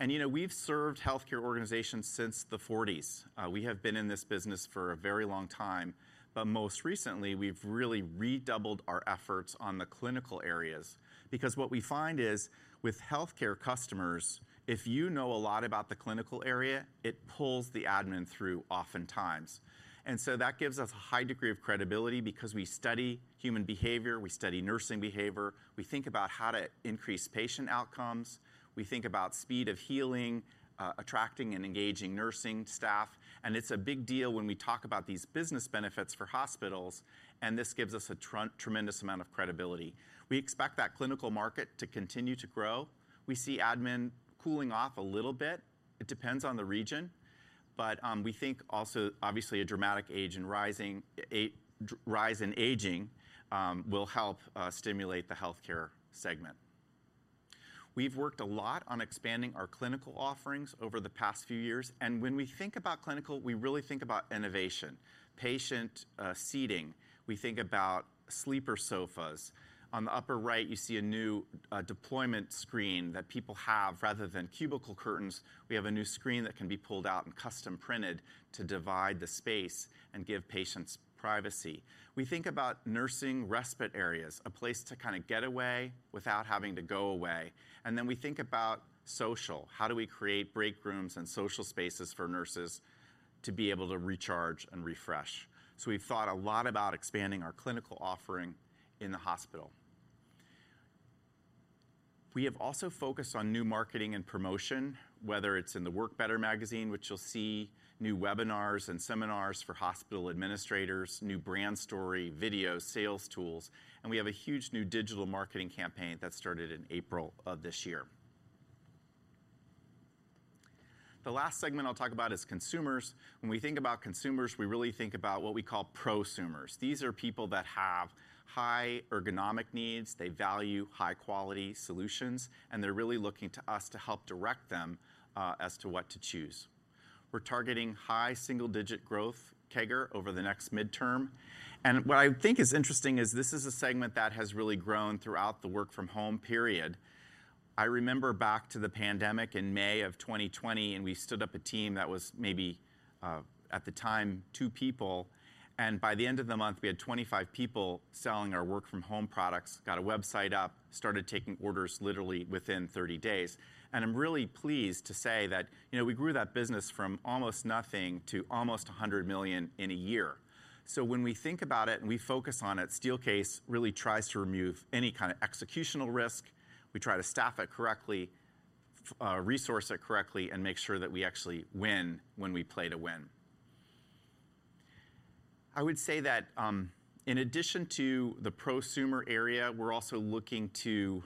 You know, we've served healthcare organizations since the '40s. We have been in this business for a very long time, but most recently, we've really redoubled our efforts on the clinical areas. What we find is with healthcare customers, if you know a lot about the clinical area, it pulls the admin through oftentimes. That gives us a high degree of credibility because we study human behavior, we study nursing behavior, we think about how to increase patient outcomes, we think about speed of healing, attracting and engaging nursing staff, and it's a big deal when we talk about these business benefits for hospitals, and this gives us a tremendous amount of credibility. We expect that clinical market to continue to grow. We see admin cooling off a little bit. It depends on the region, but we think also, obviously, a dramatic age in rising, rise in aging, will help stimulate the healthcare segment. We've worked a lot on expanding our clinical offerings over the past few years, and when we think about clinical, we really think about innovation. Patient seating. We think about sleeper sofas. On the upper right, you see a new deployment screen that people have. Rather than cubicle curtains, we have a new screen that can be pulled out and custom-printed to divide the space and give patients privacy. We think about nursing respite areas, a place to kinda get away without having to go away. Then we think about social. How do we create break rooms and social spaces for nurses to be able to recharge and refresh? We've thought a lot about expanding our clinical offering in the hospital. We have also focused on new marketing and promotion, whether it's in the Work Better magazine, which you'll see, new webinars and seminars for hospital administrators, new brand story, video, sales tools, and we have a huge new digital marketing campaign that started in April of this year. The last segment I'll talk about is consumers. When we think about consumers, we really think about what we call prosumers. These are people that have high ergonomic needs, they value high-quality solutions, and they're really looking to us to help direct them as to what to choose. We're targeting high single-digit growth CAGR over the next midterm, and what I think is interesting is this is a segment that has really grown throughout the work from home period. I remember back to the pandemic in May of 2020, and we stood up a team that was maybe, at the time, two people, and by the end of the month, we had 25 people selling our work from home products, got a website up, started taking orders literally within 30 days. I'm really pleased to say that, you know, we grew that business from almost nothing to almost $100 million in a year. When we think about it and we focus on it, Steelcase really tries to remove any kind of executional risk. We try to staff it correctly, resource it correctly, and make sure that we actually win when we play to win. I would say that, in addition to the prosumer area, we're also looking to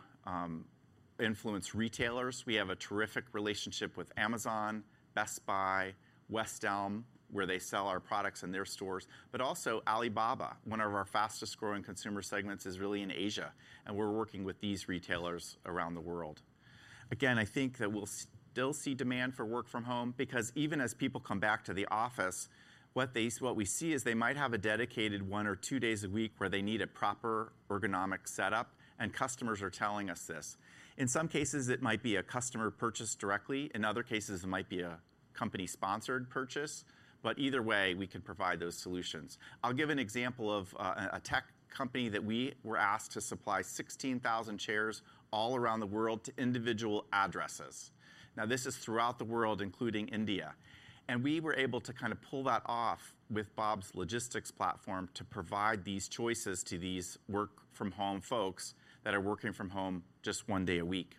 influence retailers. We have a terrific relationship with Amazon, Best Buy, West Elm, where they sell our products in their stores, but also Alibaba. One of our fastest-growing consumer segments is really in Asia, and we're working with these retailers around the world. Again, I think that we'll still see demand for work from home because even as people come back to the office, what we see is they might have a dedicated one or two days a week where they need a proper ergonomic setup, and customers are telling us this. In some cases, it might be a customer purchase directly. In other cases, it might be a company-sponsored purchase. Either way, we can provide those solutions. I'll give an example of a tech company that we were asked to supply 16,000 chairs all around the world to individual addresses. This is throughout the world, including India. We were able to kinda pull that off with Bob's logistics platform to provide these choices to these work from home folks that are working from home just one day a week.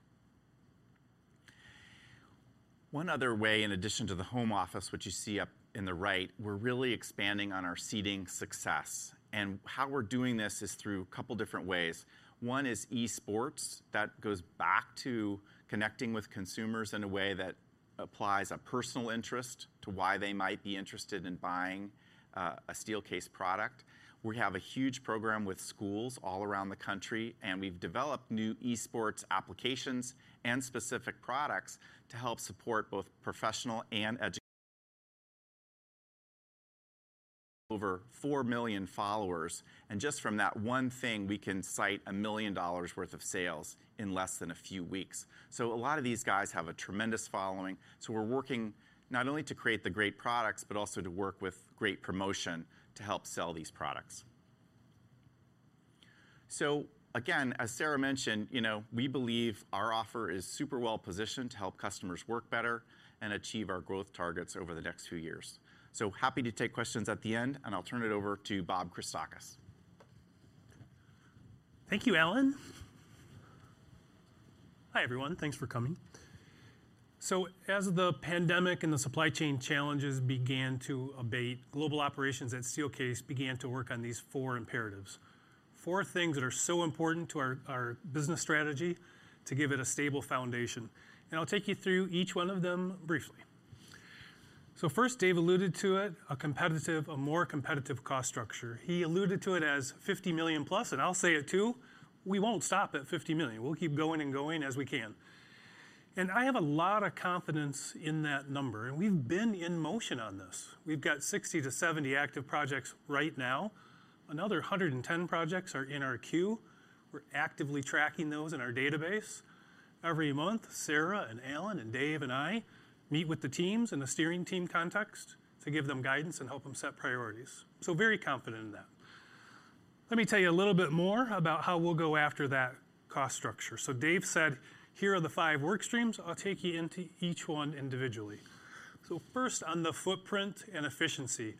One other way, in addition to the home office, which you see up in the right, we're really expanding on our seating success, and how we're doing this is through a couple different ways. One is esports. That goes back to connecting with consumers in a way that applies a personal interest to why they might be interested in buying a Steelcase product. We have a huge program with schools all around the country, and we've developed new esports applications and specific products to help support both professional and 4 million followers, and just from that one thing, we can cite $1 million worth of sales in less than a few weeks. A lot of these guys have a tremendous following, so we're working not only to create the great products, but also to work with great promotion to help sell these products. Again, as Sara mentioned, you know, we believe our offer is super well-positioned to help customers Work Better and achieve our growth targets over the next few years. Happy to take questions at the end, and I'll turn it over to Bob Krestakos. Thank you, Allan. Hi, everyone. Thanks for coming. As the pandemic and the supply chain challenges began to abate, global operations at Steelcase began to work on these four imperatives. Four things that are so important to our business strategy to give it a stable foundation. I'll take you through each one of them briefly. First, David alluded to it, a more competitive cost structure. He alluded to it as $50 million plus, and I'll say it too. We won't stop at $50 million. We'll keep going and going as we can. I have a lot of confidence in that number, and we've been in motion on this. We've got 60 to 70 active projects right now. Another 110 projects are in our queue. We're actively tracking those in our database. Every month, Sara and Allan and David and I meet with the teams in a steering team context to give them guidance and help them set priorities. Very confident in that. Let me tell you a little bit more about how we'll go after that cost structure. David said, "Here are the 5 work streams." I'll take you into each 1 individually. First, on the footprint and efficiency.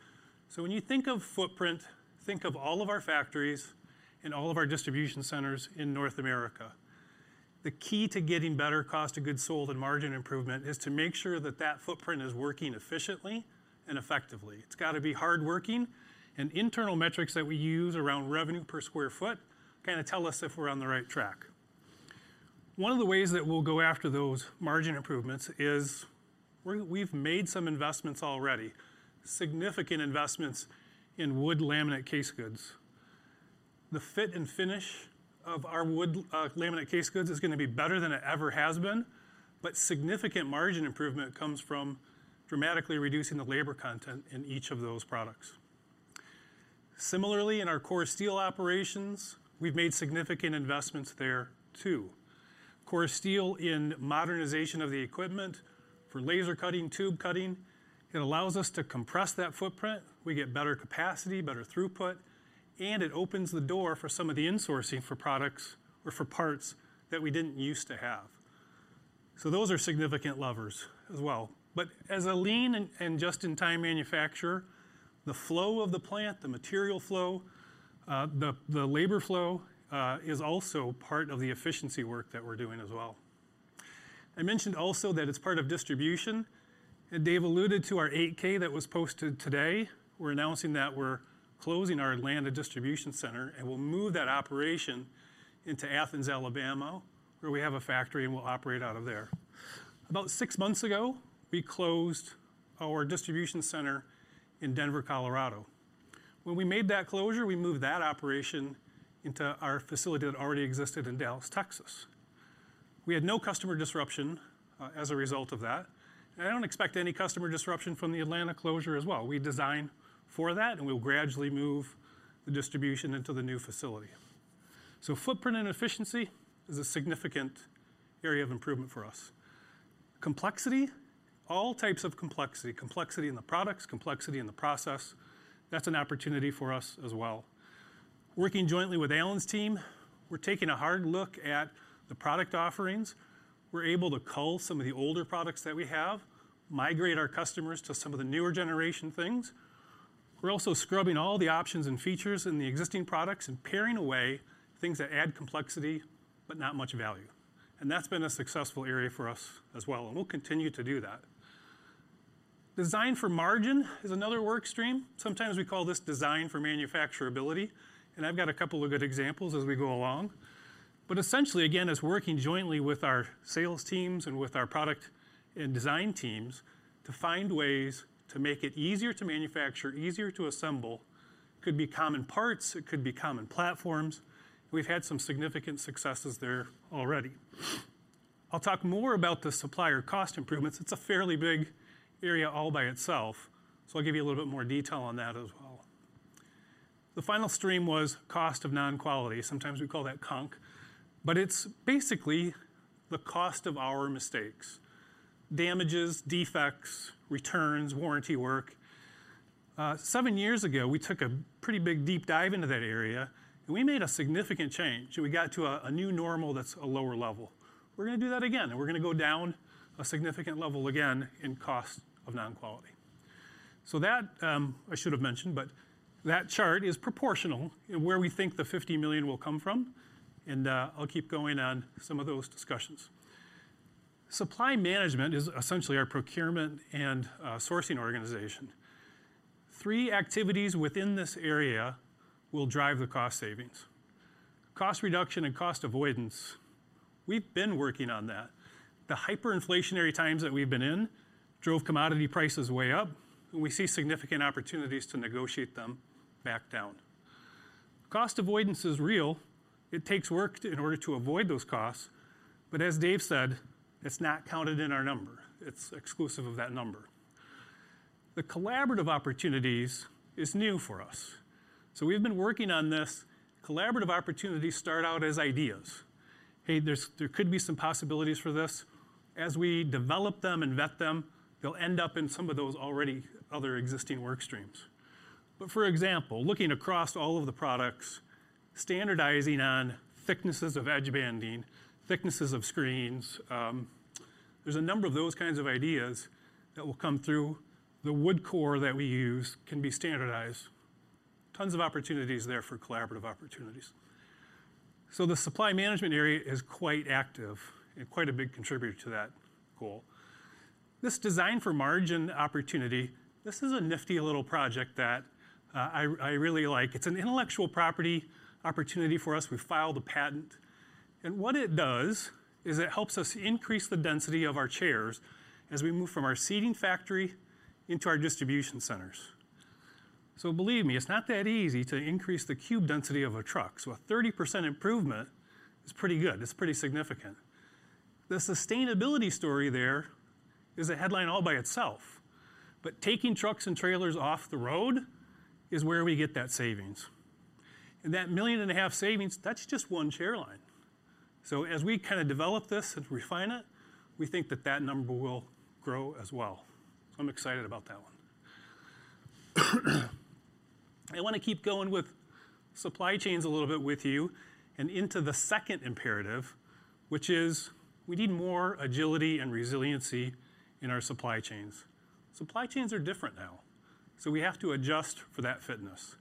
When you think of footprint, think of all of our factories and all of our distribution centers in North America. The key to getting better cost of goods sold and margin improvement is to make sure that that footprint is working efficiently and effectively. It's gotta be hardworking. Internal metrics that we use around revenue per square foot kinda tell us if we're on the right track. One of the ways that we'll go after those margin improvements is we've made some investments already, significant investments in wood laminate case goods. The fit and finish of our wood, laminate case goods is gonna be better than it ever has been, but significant margin improvement comes from dramatically reducing the labor content in each of those products. Similarly, in our core steel operations, we've made significant investments there too. Core steel in modernization of the equipment for laser cutting, tube cutting, it allows us to compress that footprint, we get better capacity, better throughput, and it opens the door for some of the insourcing for products or for parts that we didn't used to have. Those are significant levers as well. As a lean and just-in-time manufacturer, the flow of the plant, the material flow, the labor flow is also part of the efficiency work that we're doing as well. I mentioned also that it's part of distribution, and Dave alluded to our 8-K that was posted today. We're announcing that we're closing our Atlanta distribution center, and we'll move that operation into Athens, Alabama, where we have a factory, and we'll operate out of there. About six months ago, we closed our distribution center in Denver, Colorado. When we made that closure, we moved that operation into our facility that already existed in Dallas, Texas. We had no customer disruption as a result of that, and I don't expect any customer disruption from the Atlanta closure as well. We designed for that, and we'll gradually move the distribution into the new facility. Footprint and efficiency is a significant area of improvement for us. Complexity, all types of complexity in the products, complexity in the process, that's an opportunity for us as well. Working jointly with Allan's team, we're taking a hard look at the product offerings. We're able to cull some of the older products that we have, migrate our customers to some of the newer generation things. We're also scrubbing all the options and features in the existing products and paring away things that add complexity but not much value. That's been a successful area for us as well, and we'll continue to do that. Design for margin is another work stream. Sometimes we call this design for manufacturability, and I've got a couple of good examples as we go along. Essentially, again, it's working jointly with our sales teams and with our product and design teams to find ways to make it easier to manufacture, easier to assemble. Could be common parts. It could be common platforms. We've had some significant successes there already. I'll talk more about the supplier cost improvements. It's a fairly big area all by itself, so I'll give you a little bit more detail on that as well. The final stream was cost of non-quality. Sometimes we call that CONQ. It's basically the cost of our mistakes: damages, defects, returns, warranty work. Seven years ago, we took a pretty big deep dive into that area, and we made a significant change, and we got to a new normal that's a lower level. We're gonna do that again, and we're gonna go down a significant level again in cost of non-quality. I should have mentioned, but that chart is proportional in where we think the $50 million will come from, I'll keep going on some of those discussions. Supply management is essentially our procurement and sourcing organization. Three activities within this area will drive the cost savings. Cost reduction and cost avoidance, we've been working on that. The hyperinflationary times that we've been in drove commodity prices way up, and we see significant opportunities to negotiate them back down. Cost avoidance is real. It takes work in order to avoid those costs. As Dave said, it's not counted in our number. It's exclusive of that number. The collaborative opportunities is new for us, so we've been working on this. Collaborative opportunities start out as ideas. Hey, there could be some possibilities for this. As we develop them and vet them, they'll end up in some of those already other existing work streams. For example, looking across all of the products, standardizing on thicknesses of edge banding, thicknesses of screens, there's a number of those kinds of ideas that will come through. The wood core that we use can be standardized. Tons of opportunities there for collaborative opportunities. The supply management area is quite active and quite a big contributor to that goal. This design for margin opportunity, this is a nifty little project that I really like. It's an intellectual property opportunity for us. We filed a patent, and what it does is it helps us increase the density of our chairs as we move from our seating factory into our distribution centers. Believe me, it's not that easy to increase the cube density of a truck. A 30% improvement is pretty good. It's pretty significant. The sustainability story there is a headline all by itself, but taking trucks and trailers off the road is where we get that savings. That $1.5 million savings, that's just 1 chair line. As we kinda develop this and refine it, we think that that number will grow as well. I'm excited about that one. I wanna keep going with supply chains a little bit with you and into the second imperative, which is we need more agility and resiliency in our supply chains. Supply chains are different now, so we have to adjust for that fitness.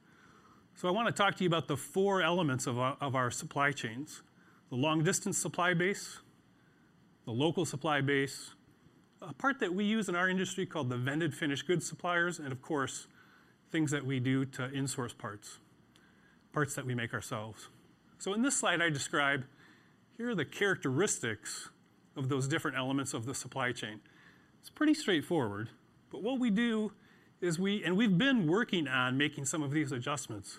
I wanna talk to you about the four elements of our supply chains: the long-distance supply base, the local supply base, a part that we use in our industry called the vended finished goods suppliers, and of course, things that we do to insource parts that we make ourselves. In this slide I describe, here are the characteristics of those different elements of the supply chain. It's pretty straightforward, but what we do is we've been working on making some of these adjustments.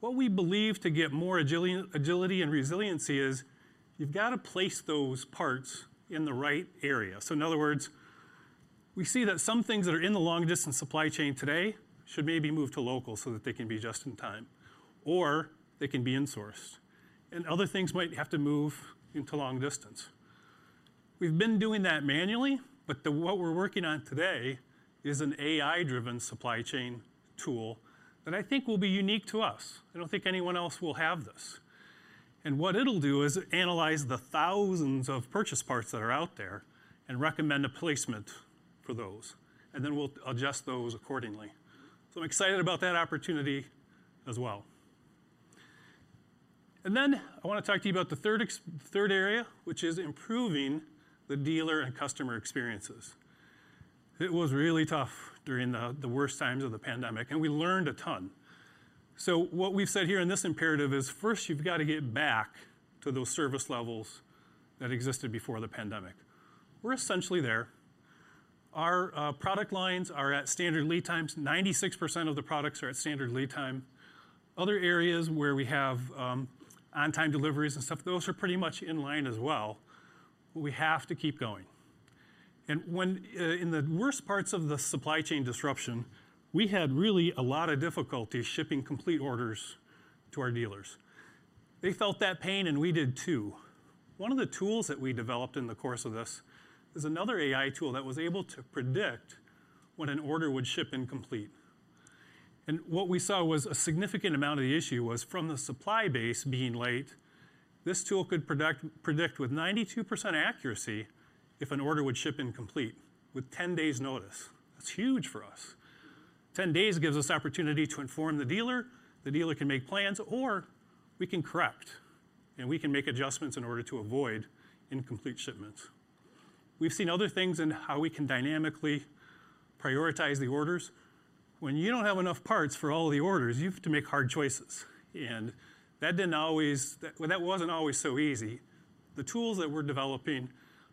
What we believe to get more agility and resiliency is you've gotta place those parts in the right area. In other words, we see that some things that are in the long-distance supply chain today should maybe move to local, so that they can be just in time or they can be insourced, and other things might have to move into long distance. We've been doing that manually, but what we're working on today is an AI-driven supply chain tool that I think will be unique to us. I don't think anyone else will have this. What it'll do is analyze the thousands of purchase parts that are out there and recommend a placement for those, and then we'll adjust those accordingly. I'm excited about that opportunity as well. Then I wanna talk to you about the third area, which is improving the dealer and customer experiences. It was really tough during the worst times of the pandemic, and we learned a ton. What we've said here in this imperative is, first, you've gotta get back to those service levels that existed before the pandemic. We're essentially there. Our product lines are at standard lead times. 96% of the products are at standard lead time. Other areas where we have on-time deliveries and stuff, those are pretty much in line as well. We have to keep going. When in the worst parts of the supply chain disruption, we had really a lot of difficulty shipping complete orders to our dealers. They felt that pain, and we did too. One of the tools that we developed in the course of this is another AI tool that was able to predict when an order would ship incomplete. What we saw was a significant amount of the issue was from the supply base being late. This tool could predict with 92% accuracy if an order would ship incomplete with 10 days notice. That's huge for us. 10 days gives us opportunity to inform the dealer, the dealer can make plans, or we can correct, and we can make adjustments in order to avoid incomplete shipments. We've seen other things in how we can dynamically prioritize the orders. When you don't have enough parts for all the orders, you have to make hard choices. Well, that wasn't always so easy. The tools that we're developing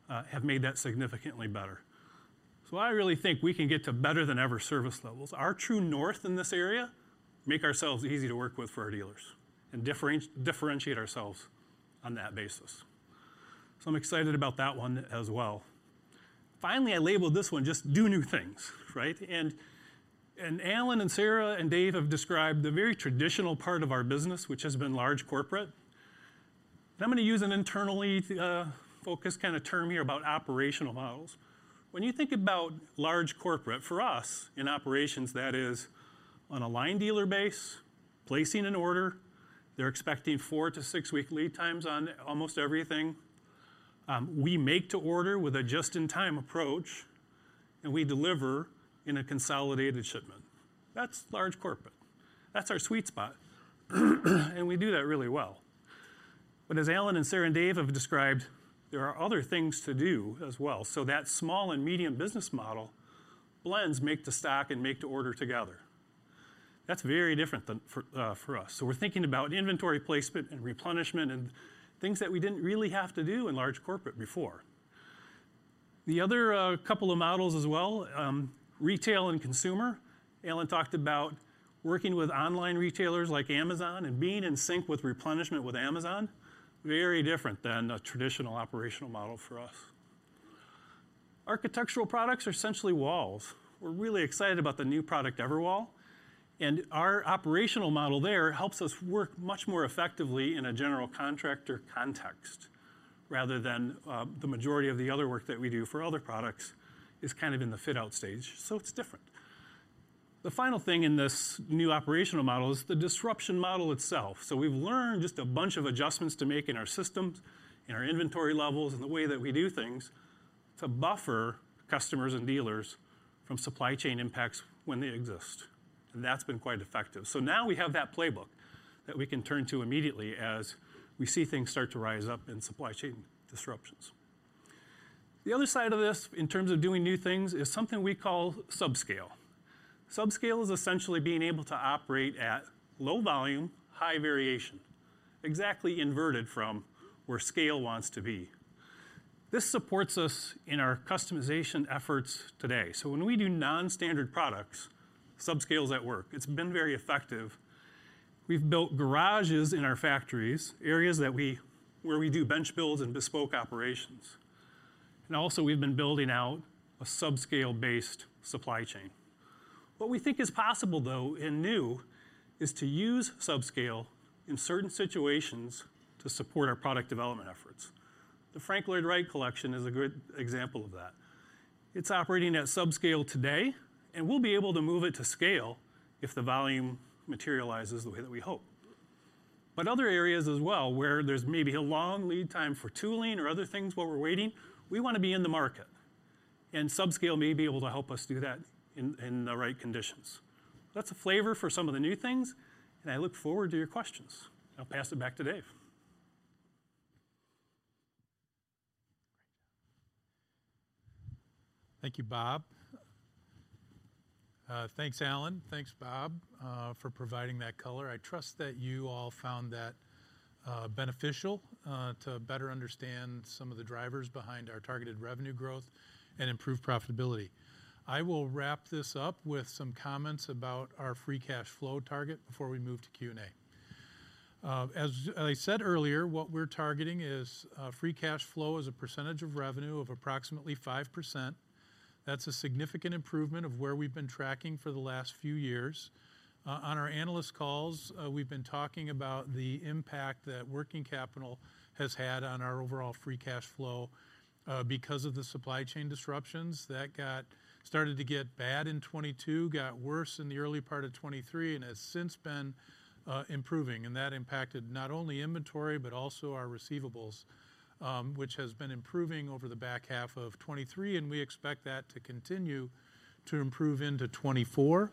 have made that significantly better. I really think we can get to better than ever service levels. Our true north in this area, make ourselves easy to work with for our dealers and differentiate ourselves on that basis. I'm excited about that one as well. Finally, I labeled this one, just do new things, right? Allan and Sara and David have described the very traditional part of our business, which has been large corporate. I'm going to use an internally focused kind of term here about operational models. When you think about large corporate, for us in operations, that is on a line dealer base, placing an order, they're expecting 4-6-week lead times on almost everything. We make to order with a just-in-time approach, and we deliver in a consolidated shipment. That's large corporate. That's our sweet spot, and we do that really well. As Allan and Sara and David have described, there are other things to do as well. That small and medium business model blends made-to-stock and made-to-order together. That's very different than for us. We're thinking about inventory placement and replenishment and things that we didn't really have to do in large corporate before. The other couple of models as well, retail and consumer. Allan talked about working with online retailers like Amazon and being in sync with replenishment with Amazon, very different than a traditional operational model for us. Architectural products are essentially walls. We're really excited about the new product, Everwall, and our operational model there helps us work much more effectively in a general contractor context rather than the majority of the other work that we do for other products is kind of in the fit-out stage, so it's different. The final thing in this new operational model is the disruption model itself. We've learned just a bunch of adjustments to make in our systems and our inventory levels and the way that we do things to buffer customers and dealers from supply chain impacts when they exist. That's been quite effective. Now we have that playbook that we can turn to immediately as we see things start to rise up in supply chain disruptions. The other side of this, in terms of doing new things, is something we call subscale. Subscale is essentially being able to operate at low volume, high variation, exactly inverted from where scale wants to be. This supports us in our customization efforts today. When we do non-standard products, subscale is at work. It's been very effective. We've built garages in our factories, areas where we do bench builds and bespoke operations. Also, we've been building out a subscale-based supply chain. What we think is possible, though, and new is to use subscale in certain situations to support our product development efforts. The Frank Lloyd Wright Collection is a good example of that. It's operating at subscale today, and we'll be able to move it to scale if the volume materializes the way that we hope. Other areas as well, where there's maybe a long lead time for tooling or other things while we're waiting, we wanna be in the market, and subscale may be able to help us do that in the right conditions. That's a flavor for some of the new things, and I look forward to your questions. I'll pass it back to Dave. Thank you, Bob. Thanks, Allan. Thanks, Bob, for providing that color. I trust that you all found that beneficial to better understand some of the drivers behind our targeted revenue growth and improved profitability. I will wrap this up with some comments about our free cash flow target before we move to Q&A. As I said earlier, what we're targeting is free cash flow as a percentage of revenue of approximately 5%. That's a significant improvement of where we've been tracking for the last few years. On our analyst calls, we've been talking about the impact that working capital has had on our overall free cash flow because of the supply chain disruptions. That started to get bad in 2022, got worse in the early part of 2023, and has since been improving. That impacted not only inventory, but also our receivables, which has been improving over the back half of 2023, and we expect that to continue to improve into 2024.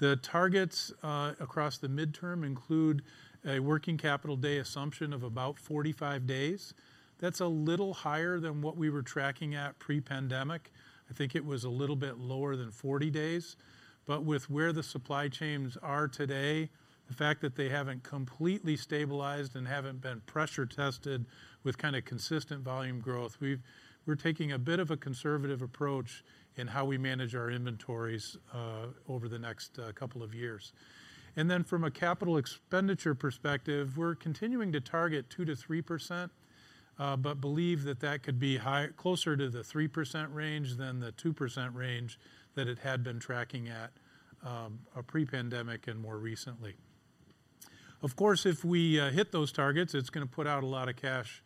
The targets across the midterm include a working capital day assumption of about 45 days. That's a little higher than what we were tracking at pre-pandemic. I think it was a little bit lower than 40 days. With where the supply chains are today, the fact that they haven't completely stabilized and haven't been pressure tested with kind of consistent volume growth, we're taking a bit of a conservative approach in how we manage our inventories over the next couple of years. From a capital expenditure perspective, we're continuing to target 2%-3%, but believe that that could be closer to the 3% range than the 2% range that it had been tracking at pre-pandemic and more recently. Of course, if we hit those targets, it's gonna put out a lot of cash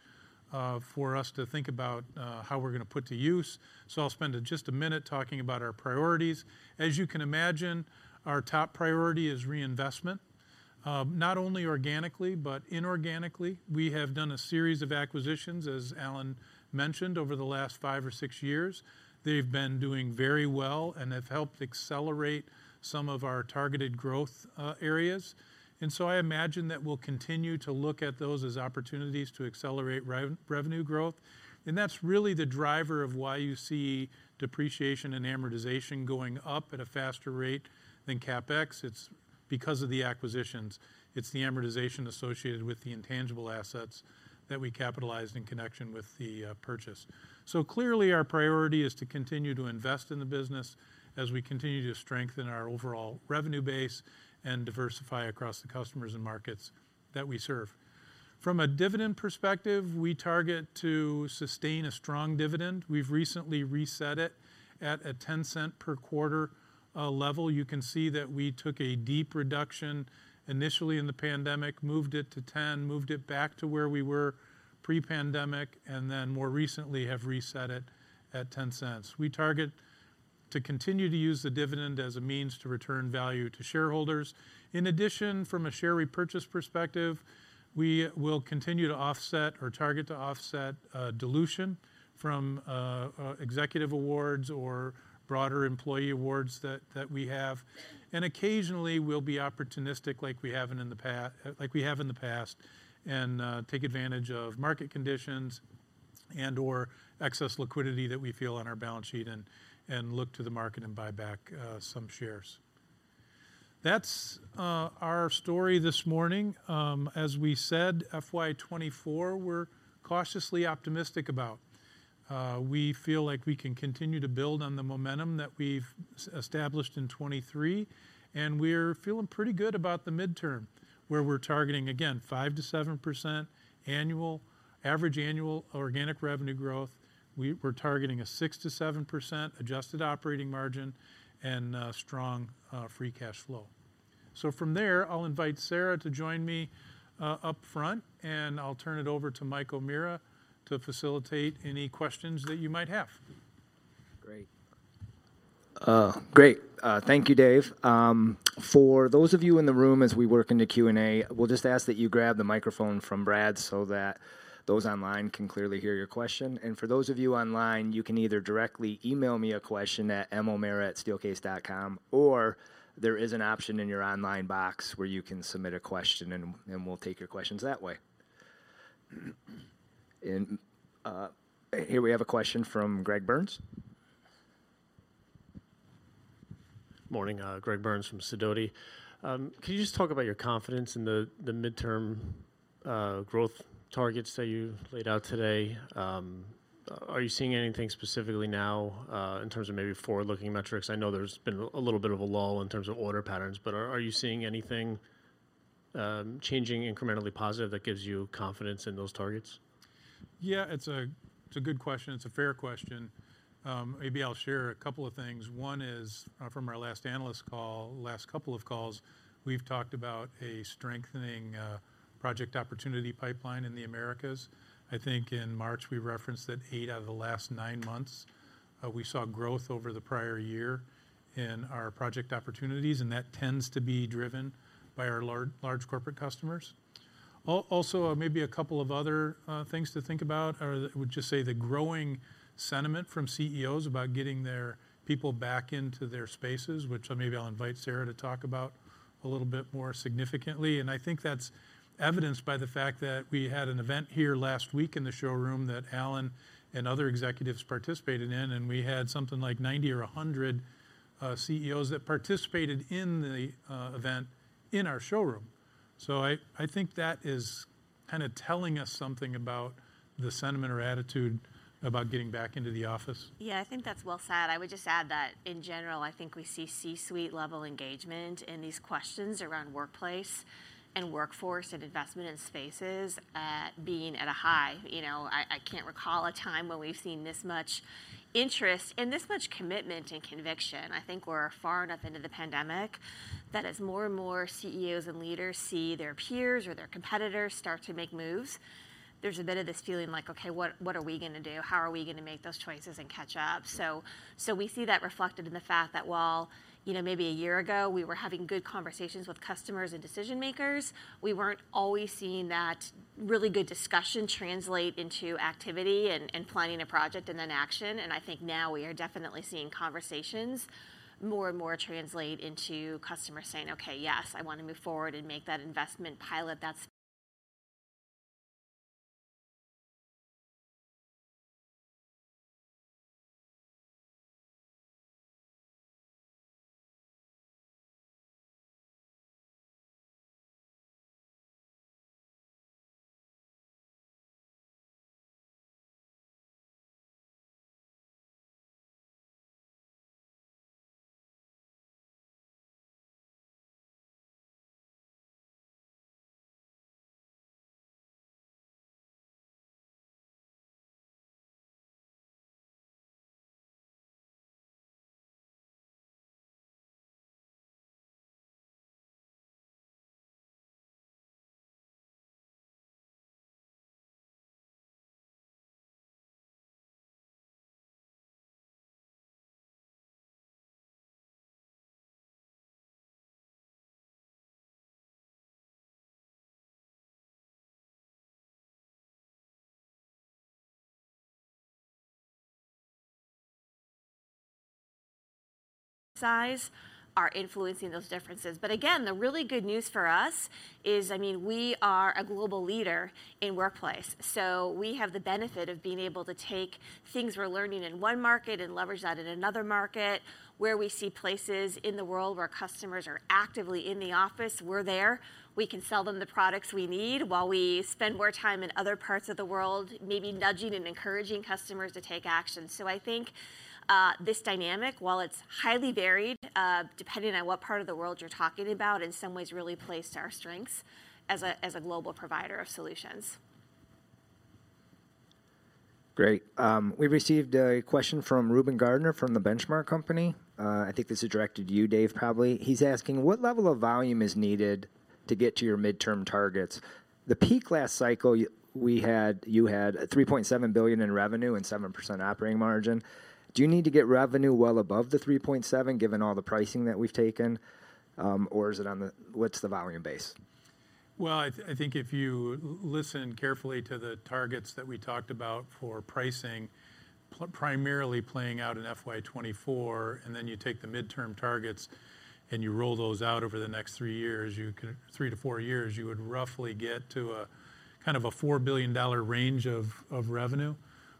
for us to think about how we're gonna put to use. I'll spend just a minute talking about our priorities. As you can imagine, our top priority is reinvestment, not only organically, but inorganically. We have done a series of acquisitions, as Allan mentioned, over the last five or six years. They've been doing very well and have helped accelerate some of our targeted growth areas. I imagine that we'll continue to look at those as opportunities to accelerate revenue growth. That's really the driver of why you see depreciation and amortization going up at a faster rate than CapEx. It's because of the acquisitions. It's the amortization associated with the intangible assets that we capitalized in connection with the purchase. Clearly, our priority is to continue to invest in the business as we continue to strengthen our overall revenue base and diversify across the customers and markets that we serve. From a dividend perspective, we target to sustain a strong dividend. We've recently reset it at a $0.10-per-quarter level. You can see that we took a deep reduction initially in the pandemic, moved it to $0.10, moved it back to where we were pre-pandemic, and then more recently have reset it at $0.10. We target to continue to use the dividend as a means to return value to shareholders. In addition, from a share repurchase perspective, we will continue to offset or target to offset dilution from executive awards or broader employee awards that we have. Occasionally, we'll be opportunistic like we have in the past and take advantage of market conditions and/or excess liquidity that we feel on our balance sheet and look to the market and buy back some shares. That's our story this morning. As we said, FY 2024, we're cautiously optimistic about. We feel like we can continue to build on the momentum that we've established in 2023, and we're feeling pretty good about the midterm, where we're targeting, again, 5%-7% annualAverage organic revenue growth, we're targeting a 6%-7% adjusted operating margin and strong free cash flow. From there, I'll invite Sara to join me, up front, and I'll turn it over to Mike O'Meara to facilitate any questions that you might have. Great. Great. Thank you, Dave. For those of you in the room as we work into Q&A, we'll just ask that you grab the microphone from Brad so that those online can clearly hear your question. For those of you online, you can either directly email me a question at momeara@steelcase.com, or there is an option in your online box where you can submit a question and we'll take your questions that way. Here we have a question from Greg Burns. Morning. Greg Burns from Sidoti. Could you just talk about your confidence in the midterm growth targets that you've laid out today? Are you seeing anything specifically now in terms of maybe forward-looking metrics? I know there's been a little bit of a lull in terms of order patterns, but are you seeing anything changing incrementally positive that gives you confidence in those targets? Yeah, it's a good question. It's a fair question. Maybe I'll share a couple of things. One is, from our last analyst call, last couple of calls, we've talked about a strengthening project opportunity pipeline in the Americas. I think in March we referenced that eight out of the last nine months, we saw growth over the prior year in our project opportunities, and that tends to be driven by our large corporate customers. Also, maybe a couple of other things to think about are the growing sentiment from CEOs about getting their people back into their spaces, which, maybe I'll invite Sara to talk about a little bit more significantly. I think that's evidenced by the fact that we had an event here last week in the showroom that Allan Smith and other executives participated in. We had something like 90 or 100 CEOs that participated in the event in our showroom. I think that is kinda telling us something about the sentiment or attitude about getting back into the office. Yeah, I think that's well said. I would just add that in general, I think we see C-suite level engagement in these questions around workplace and workforce and investment in spaces, being at a high. You know, I can't recall a time when we've seen this much interest and this much commitment and conviction. I think we're far enough into the pandemic that as more and more CEOs and leaders see their peers or their competitors start to make moves, there's a bit of this feeling like, "Okay, what are we gonna do? How are we gonna make those choices and catch up? We see that reflected in the fact that while, you know, maybe a year ago we were having good conversations with customers and decision makers, we weren't always seeing that really good discussion translate into activity and planning a project and then action. I think now we are definitely seeing conversations more and more translate into customers saying, "Okay, yes, I wanna move forward and make that investment." Size are influencing those differences. Again, the really good news for us is, I mean, we are a global leader in workplace. We have the benefit of being able to take things we're learning in one market and leverage that in another market. Where we see places in the world where customers are actively in the office, we're there. We can sell them the products we need while we spend more time in other parts of the world, maybe nudging and encouraging customers to take action. I think this dynamic, while it's highly varied, depending on what part of the world you're talking about, in some ways really plays to our strengths as a global provider of solutions. Great. We received a question from Reuben Garner from The Benchmark Company. I think this is directed to you, Dave, probably. He's asking: What level of volume is needed to get to your midterm targets? The peak last cycle you had $3.7 billion in revenue and 7% operating margin. Do you need to get revenue well above the $3.7 billion, given all the pricing that we've taken, or what's the volume base? I think if you listen carefully to the targets that we talked about for pricing primarily playing out in FY 2024, then you take the midterm targets and you roll those out over the next three years, 3years to 4 years, you would roughly get to a kind of a $4 billion range of revenue,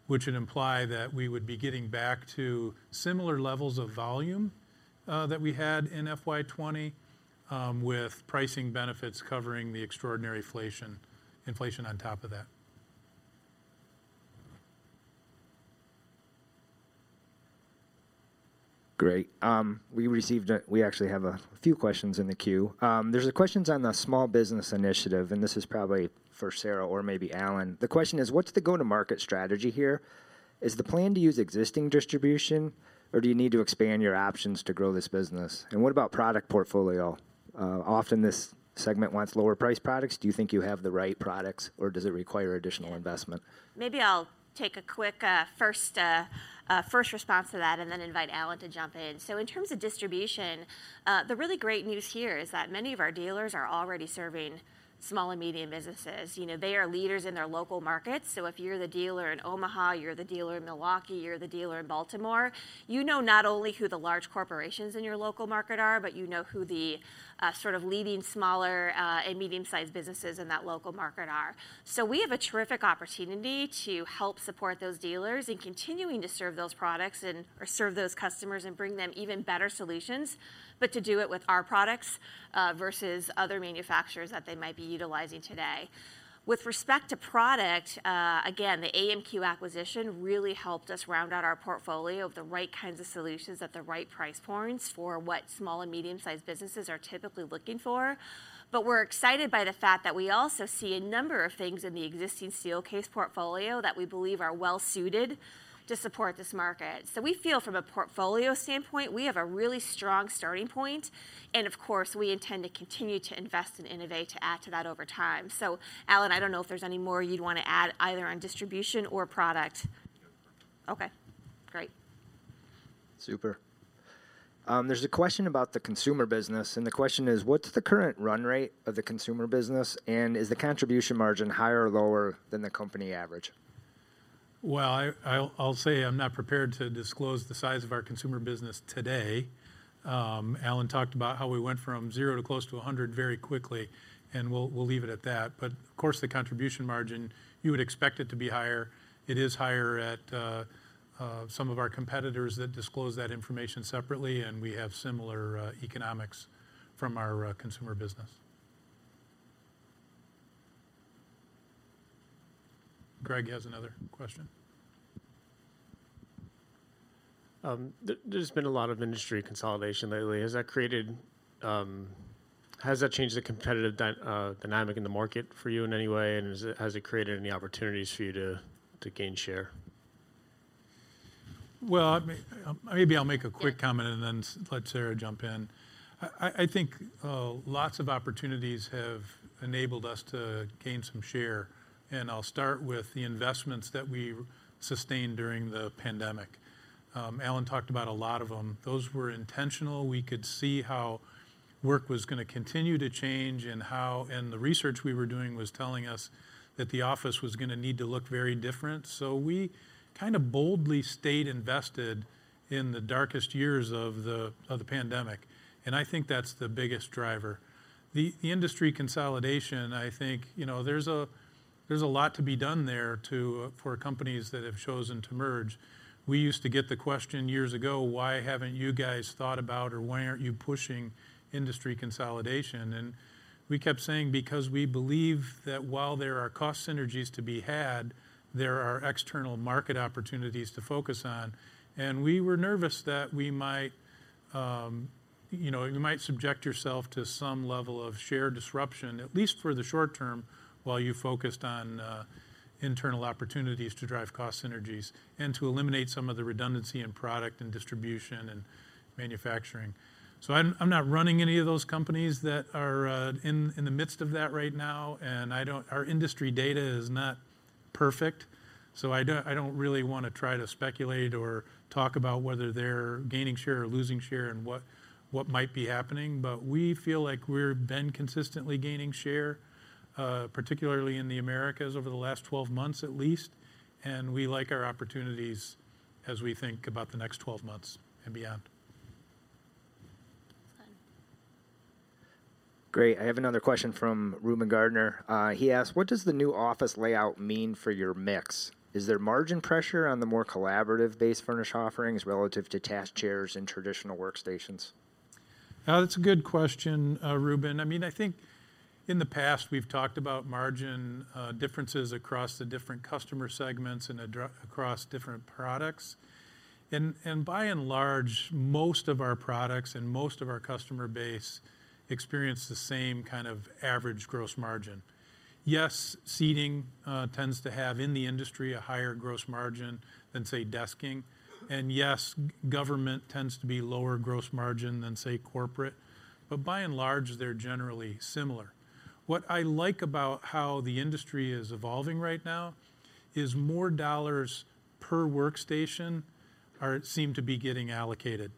which would imply that we would be getting back to similar levels of volume that we had in FY 2020 with pricing benefits covering the extraordinary inflation on top of that. Great. We actually have a few questions in the queue. There's a question on the small business initiative, and this is probably for Sara or maybe Allan. The question is: What's the go-to-market strategy here? Is the plan to use existing distribution, or do you need to expand your options to grow this business? What about product portfolio? Often this segment wants lower-priced products. Do you think you have the right products, or does it require additional investment? Maybe I'll take a quick first response to that and then invite Allan to jump in. In terms of distribution, the really great news here is that many of our dealers are already serving small and medium businesses. You know, they are leaders in their local markets, so if you're the dealer in Omaha, you're the dealer in Milwaukee, you're the dealer in Baltimore, you know not only who the large corporations in your local market are, but you know who the sort of leading smaller and medium-sized businesses in that local market are. We have a terrific opportunity to help support those dealers in continuing to serve those products and, or serve those customers and bring them even better solutions, but to do it with our products versus other manufacturers that they might be utilizing today. With respect to product, again, the AMQ acquisition really helped us round out our portfolio of the right kinds of solutions at the right price points for what small and medium-sized businesses are typically looking for. We're excited by the fact that we also see a number of things in the existing Steelcase portfolio that we believe are well suited to support this market. We feel from a portfolio standpoint, we have a really strong starting point, and of course, we intend to continue to invest and innovate to add to that over time. Allan, I don't know if there's any more you'd want to add either on distribution or product. No. Okay, great. Super. There's a question about the consumer business, and the question is: What's the current run rate of the consumer business, and is the contribution margin higher or lower than the company average? Well, I'll say I'm not prepared to disclose the size of our consumer business today. Allan talked about how we went from zero to close to 100 very quickly, and we'll leave it at that. Of course, the contribution margin, you would expect it to be higher. It is higher at some of our competitors that disclose that information separately, and we have similar economics from our consumer business. Greg has another question. There's been a lot of industry consolidation lately. Has that changed the competitive dynamic in the market for you in any way? Has it created any opportunities for you to gain share? Well, maybe I'll make a quick comment and then let Sara jump in. I think lots of opportunities have enabled us to gain some share, and I'll start with the investments that we sustained during the pandemic. Allan talked about a lot of them. Those were intentional. We could see how work was gonna continue to change. The research we were doing was telling us that the office was gonna need to look very different. We kind of boldly stayed invested in the darkest years of the pandemic, and I think that's the biggest driver. The industry consolidation, I think, you know, there's a lot to be done there to for companies that have chosen to merge. We used to get the question years ago, "Why haven't you guys thought about, or why aren't you pushing industry consolidation?" We kept saying, "Because we believe that while there are cost synergies to be had, there are external market opportunities to focus on." We were nervous that we might, you know, you might subject yourself to some level of shared disruption, at least for the short term, while you focused on internal opportunities to drive cost synergies and to eliminate some of the redundancy in product and distribution and manufacturing. I'm not running any of those companies that are in the midst of that right now, and our industry data is not perfect, so I don't really wanna try to speculate or talk about whether they're gaining share or losing share and what might be happening. We feel like been consistently gaining share, particularly in the Americas over the last 12 months at least, and we like our opportunities as we think about the next 12 months and beyond. Go ahead. Great. I have another question from Reuben Garner. He asked: What does the new office layout mean for your mix? Is there margin pressure on the more collaborative base furnish offerings relative to task chairs and traditional workstations? That's a good question, Reuben. I mean, I think in the past, we've talked about margin differences across the different customer segments and across different products. By and large, most of our products and most of our customer base experience the same kind of average gross margin. Yes, seating tends to have, in the industry, a higher gross margin than, say, desking. Yes, government tends to be lower gross margin than, say, corporate. By and large, they're generally similar. What I like about how the industry is evolving right now is more dollars per workstation seem to be getting allocated.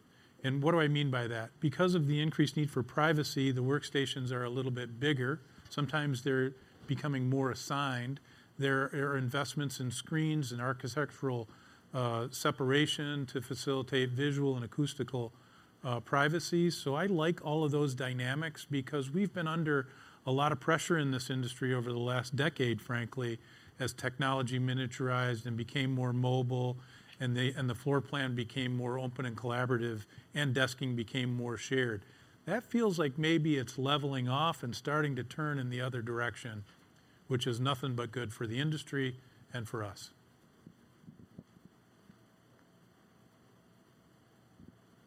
What do I mean by that? Because of the increased need for privacy, the workstations are a little bit bigger. Sometimes they're becoming more assigned. There are investments in screens and architectural separation to facilitate visual and acoustical privacy. I like all of those dynamics because we've been under a lot of pressure in this industry over the last decade, frankly, as technology miniaturized and became more mobile and the floor plan became more open and collaborative and desking became more shared. That feels like maybe it's leveling off and starting to turn in the other direction. Which is nothing but good for the industry and for us.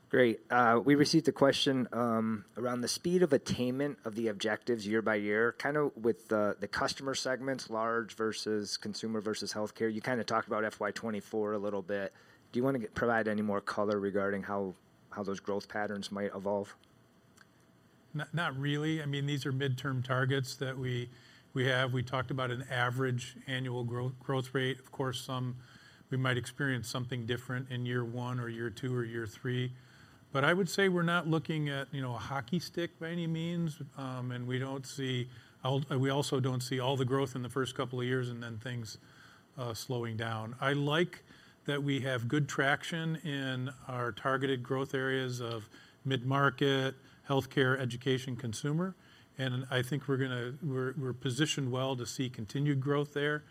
Great. We received a question, around the speed of attainment of the objectives year by year, kinda with the customer segments, large versus consumer versus healthcare. You kinda talked about FY 2024 a little bit. Do you wanna provide any more color regarding how those growth patterns might evolve? Not really. I mean, these are midterm targets that we have. We talked about an average annual growth rate. Of course, some we might experience something different in year one or year two or year three. I would say we're not looking at, you know, a hockey stick by any means. We also don't see all the growth in the first couple of years and then things slowing down. I like that we have good traction in our targeted growth areas of mid-market, healthcare, education, consumer. I think we're positioned well to see continued growth there.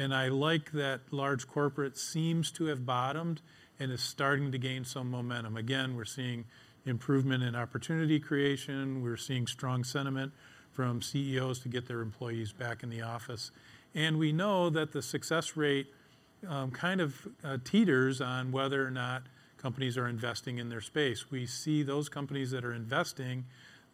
I like that large corporate seems to have bottomed and is starting to gain some momentum. Again, we're seeing improvement in opportunity creation, we're seeing strong sentiment from CEOs to get their employees back in the office. We know that the success rate, kind of, teeters on whether or not companies are investing in their space. We see those companies that are investing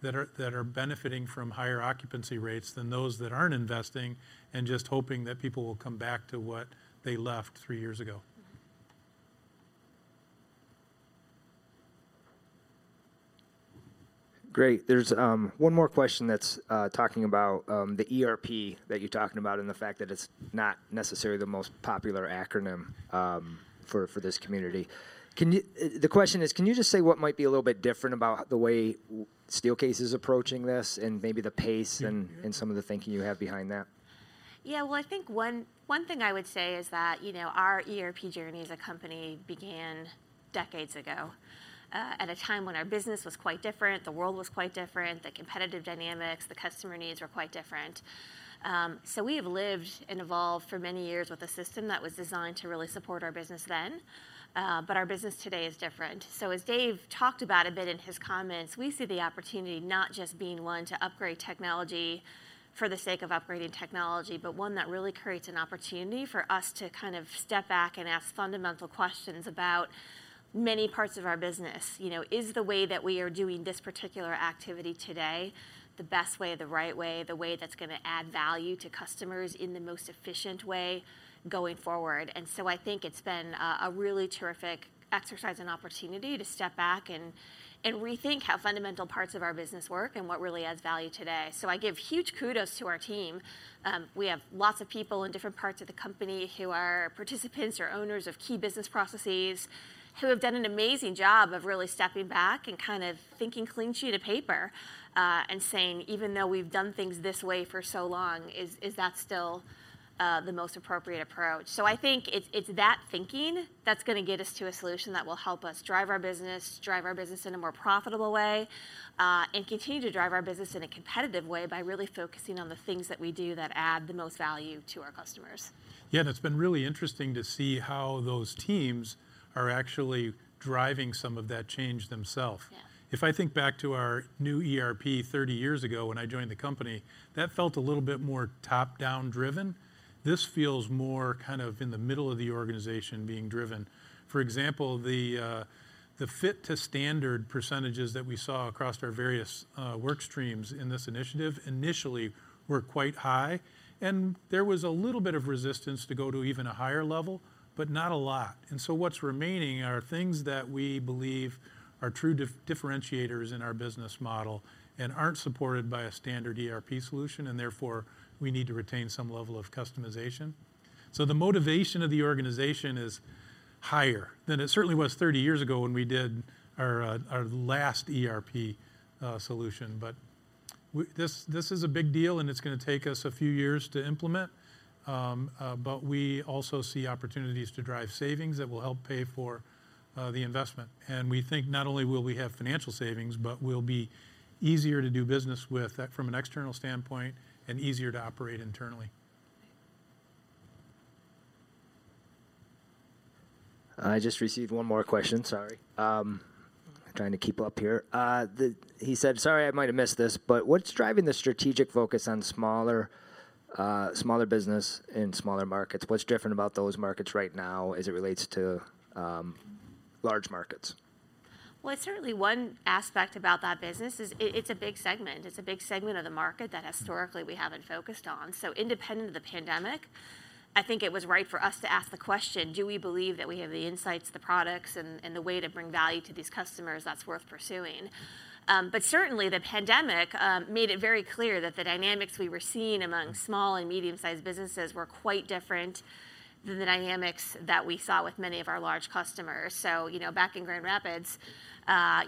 that are benefiting from higher occupancy rates than those that aren't investing and just hoping that people will come back to what they left three years ago. Great. There's one more question that's talking about the ERP that you're talking about, and the fact that it's not necessarily the most popular acronym for this community. The question is, can you just say what might be a little bit different about the way Steelcase is approaching this and maybe the pace and some of the thinking you have behind that? Yeah. Well, I think one thing I would say is that, you know, our ERP journey as a company began decades ago, at a time when our business was quite different, the world was quite different, the competitive dynamics, the customer needs were quite different. We have lived and evolved for many years with a system that was designed to really support our business then. Our business today is different. As Dave talked about a bit in his comments, we see the opportunity not just being one to upgrade technology for the sake of upgrading technology, but one that really creates an opportunity for us to kind of step back and ask fundamental questions about many parts of our business. You know, is the way that we are doing this particular activity today the best way, the right way, the way that's gonna add value to customers in the most efficient way going forward? I think it's been a really terrific exercise and opportunity to step back and rethink how fundamental parts of our business work and what really adds value today. I give huge kudos to our team. We have lots of people in different parts of the company who are participants or owners of key business processes who have done an amazing job of really stepping back and kind of thinking clean sheet of paper, and saying, "Even though we've done things this way for so long, is that still the most appropriate approach?" I think it's that thinking that's gonna get us to a solution that will help us drive our business, drive our business in a more profitable way, and continue to drive our business in a competitive way by really focusing on the things that we do that add the most value to our customers. Yeah, it's been really interesting to see how those teams are actually driving some of that change themself. Yeah. If I think back to our new ERP 30 years ago when I joined the company, that felt a little bit more top-down driven. This feels more kind of in the middle of the organization being driven. For example, the fit to standard percentages that we saw across our various work streams in this initiative initially were quite high, and there was a little bit of resistance to go to even a higher level, but not a lot. What's remaining are things that we believe are true differentiators in our business model and aren't supported by a standard ERP solution, and therefore, we need to retain some level of customization. The motivation of the organization is higher than it certainly was 30 years ago when we did our last ERP solution. This is a big deal, and it's gonna take us a few years to implement. We also see opportunities to drive savings that will help pay for the investment. We think not only will we have financial savings, but we'll be easier to do business with from an external standpoint and easier to operate internally. I just received one more question, sorry. Trying to keep up here. He said, "Sorry, I might have missed this, but what's driving the strategic focus on smaller business in smaller markets? What's different about those markets right now as it relates to, large markets? Well, certainly one aspect about that business, it's a big segment. It's a big segment of the market that historically we haven't focused on. Independent of the pandemic, I think it was right for us to ask the question, do we believe that we have the insights, the products, and the way to bring value to these customers that's worth pursuing? Certainly, the pandemic made it very clear that the dynamics we were seeing among small and medium-sized businesses were quite different than the dynamics that we saw with many of our large customers. You know, back in Grand Rapids,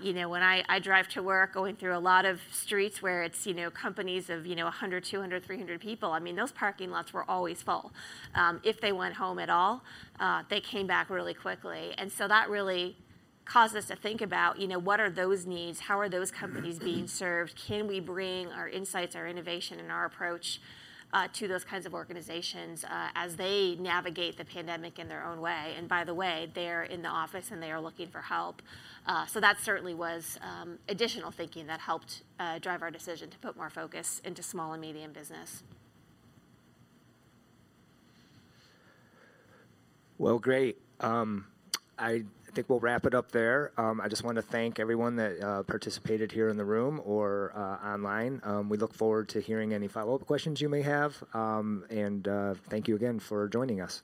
you know, when I drive to work going through a lot of streets where it's companies of 100, 200, 300 people, I mean, those parking lots were always full. If they went home at all, they came back really quickly. That really caused us to think about, you know, what are those needs? How are those companies being served? Can we bring our insights, our innovation, and our approach to those kinds of organizations as they navigate the pandemic in their own way? By the way, they are in the office, and they are looking for help. That certainly was additional thinking that helped drive our decision to put more focus into small and medium business. Well, great. I think we'll wrap it up there. I just wanna thank everyone that participated here in the room or online. We look forward to hearing any follow-up questions you may have. Thank you again for joining us.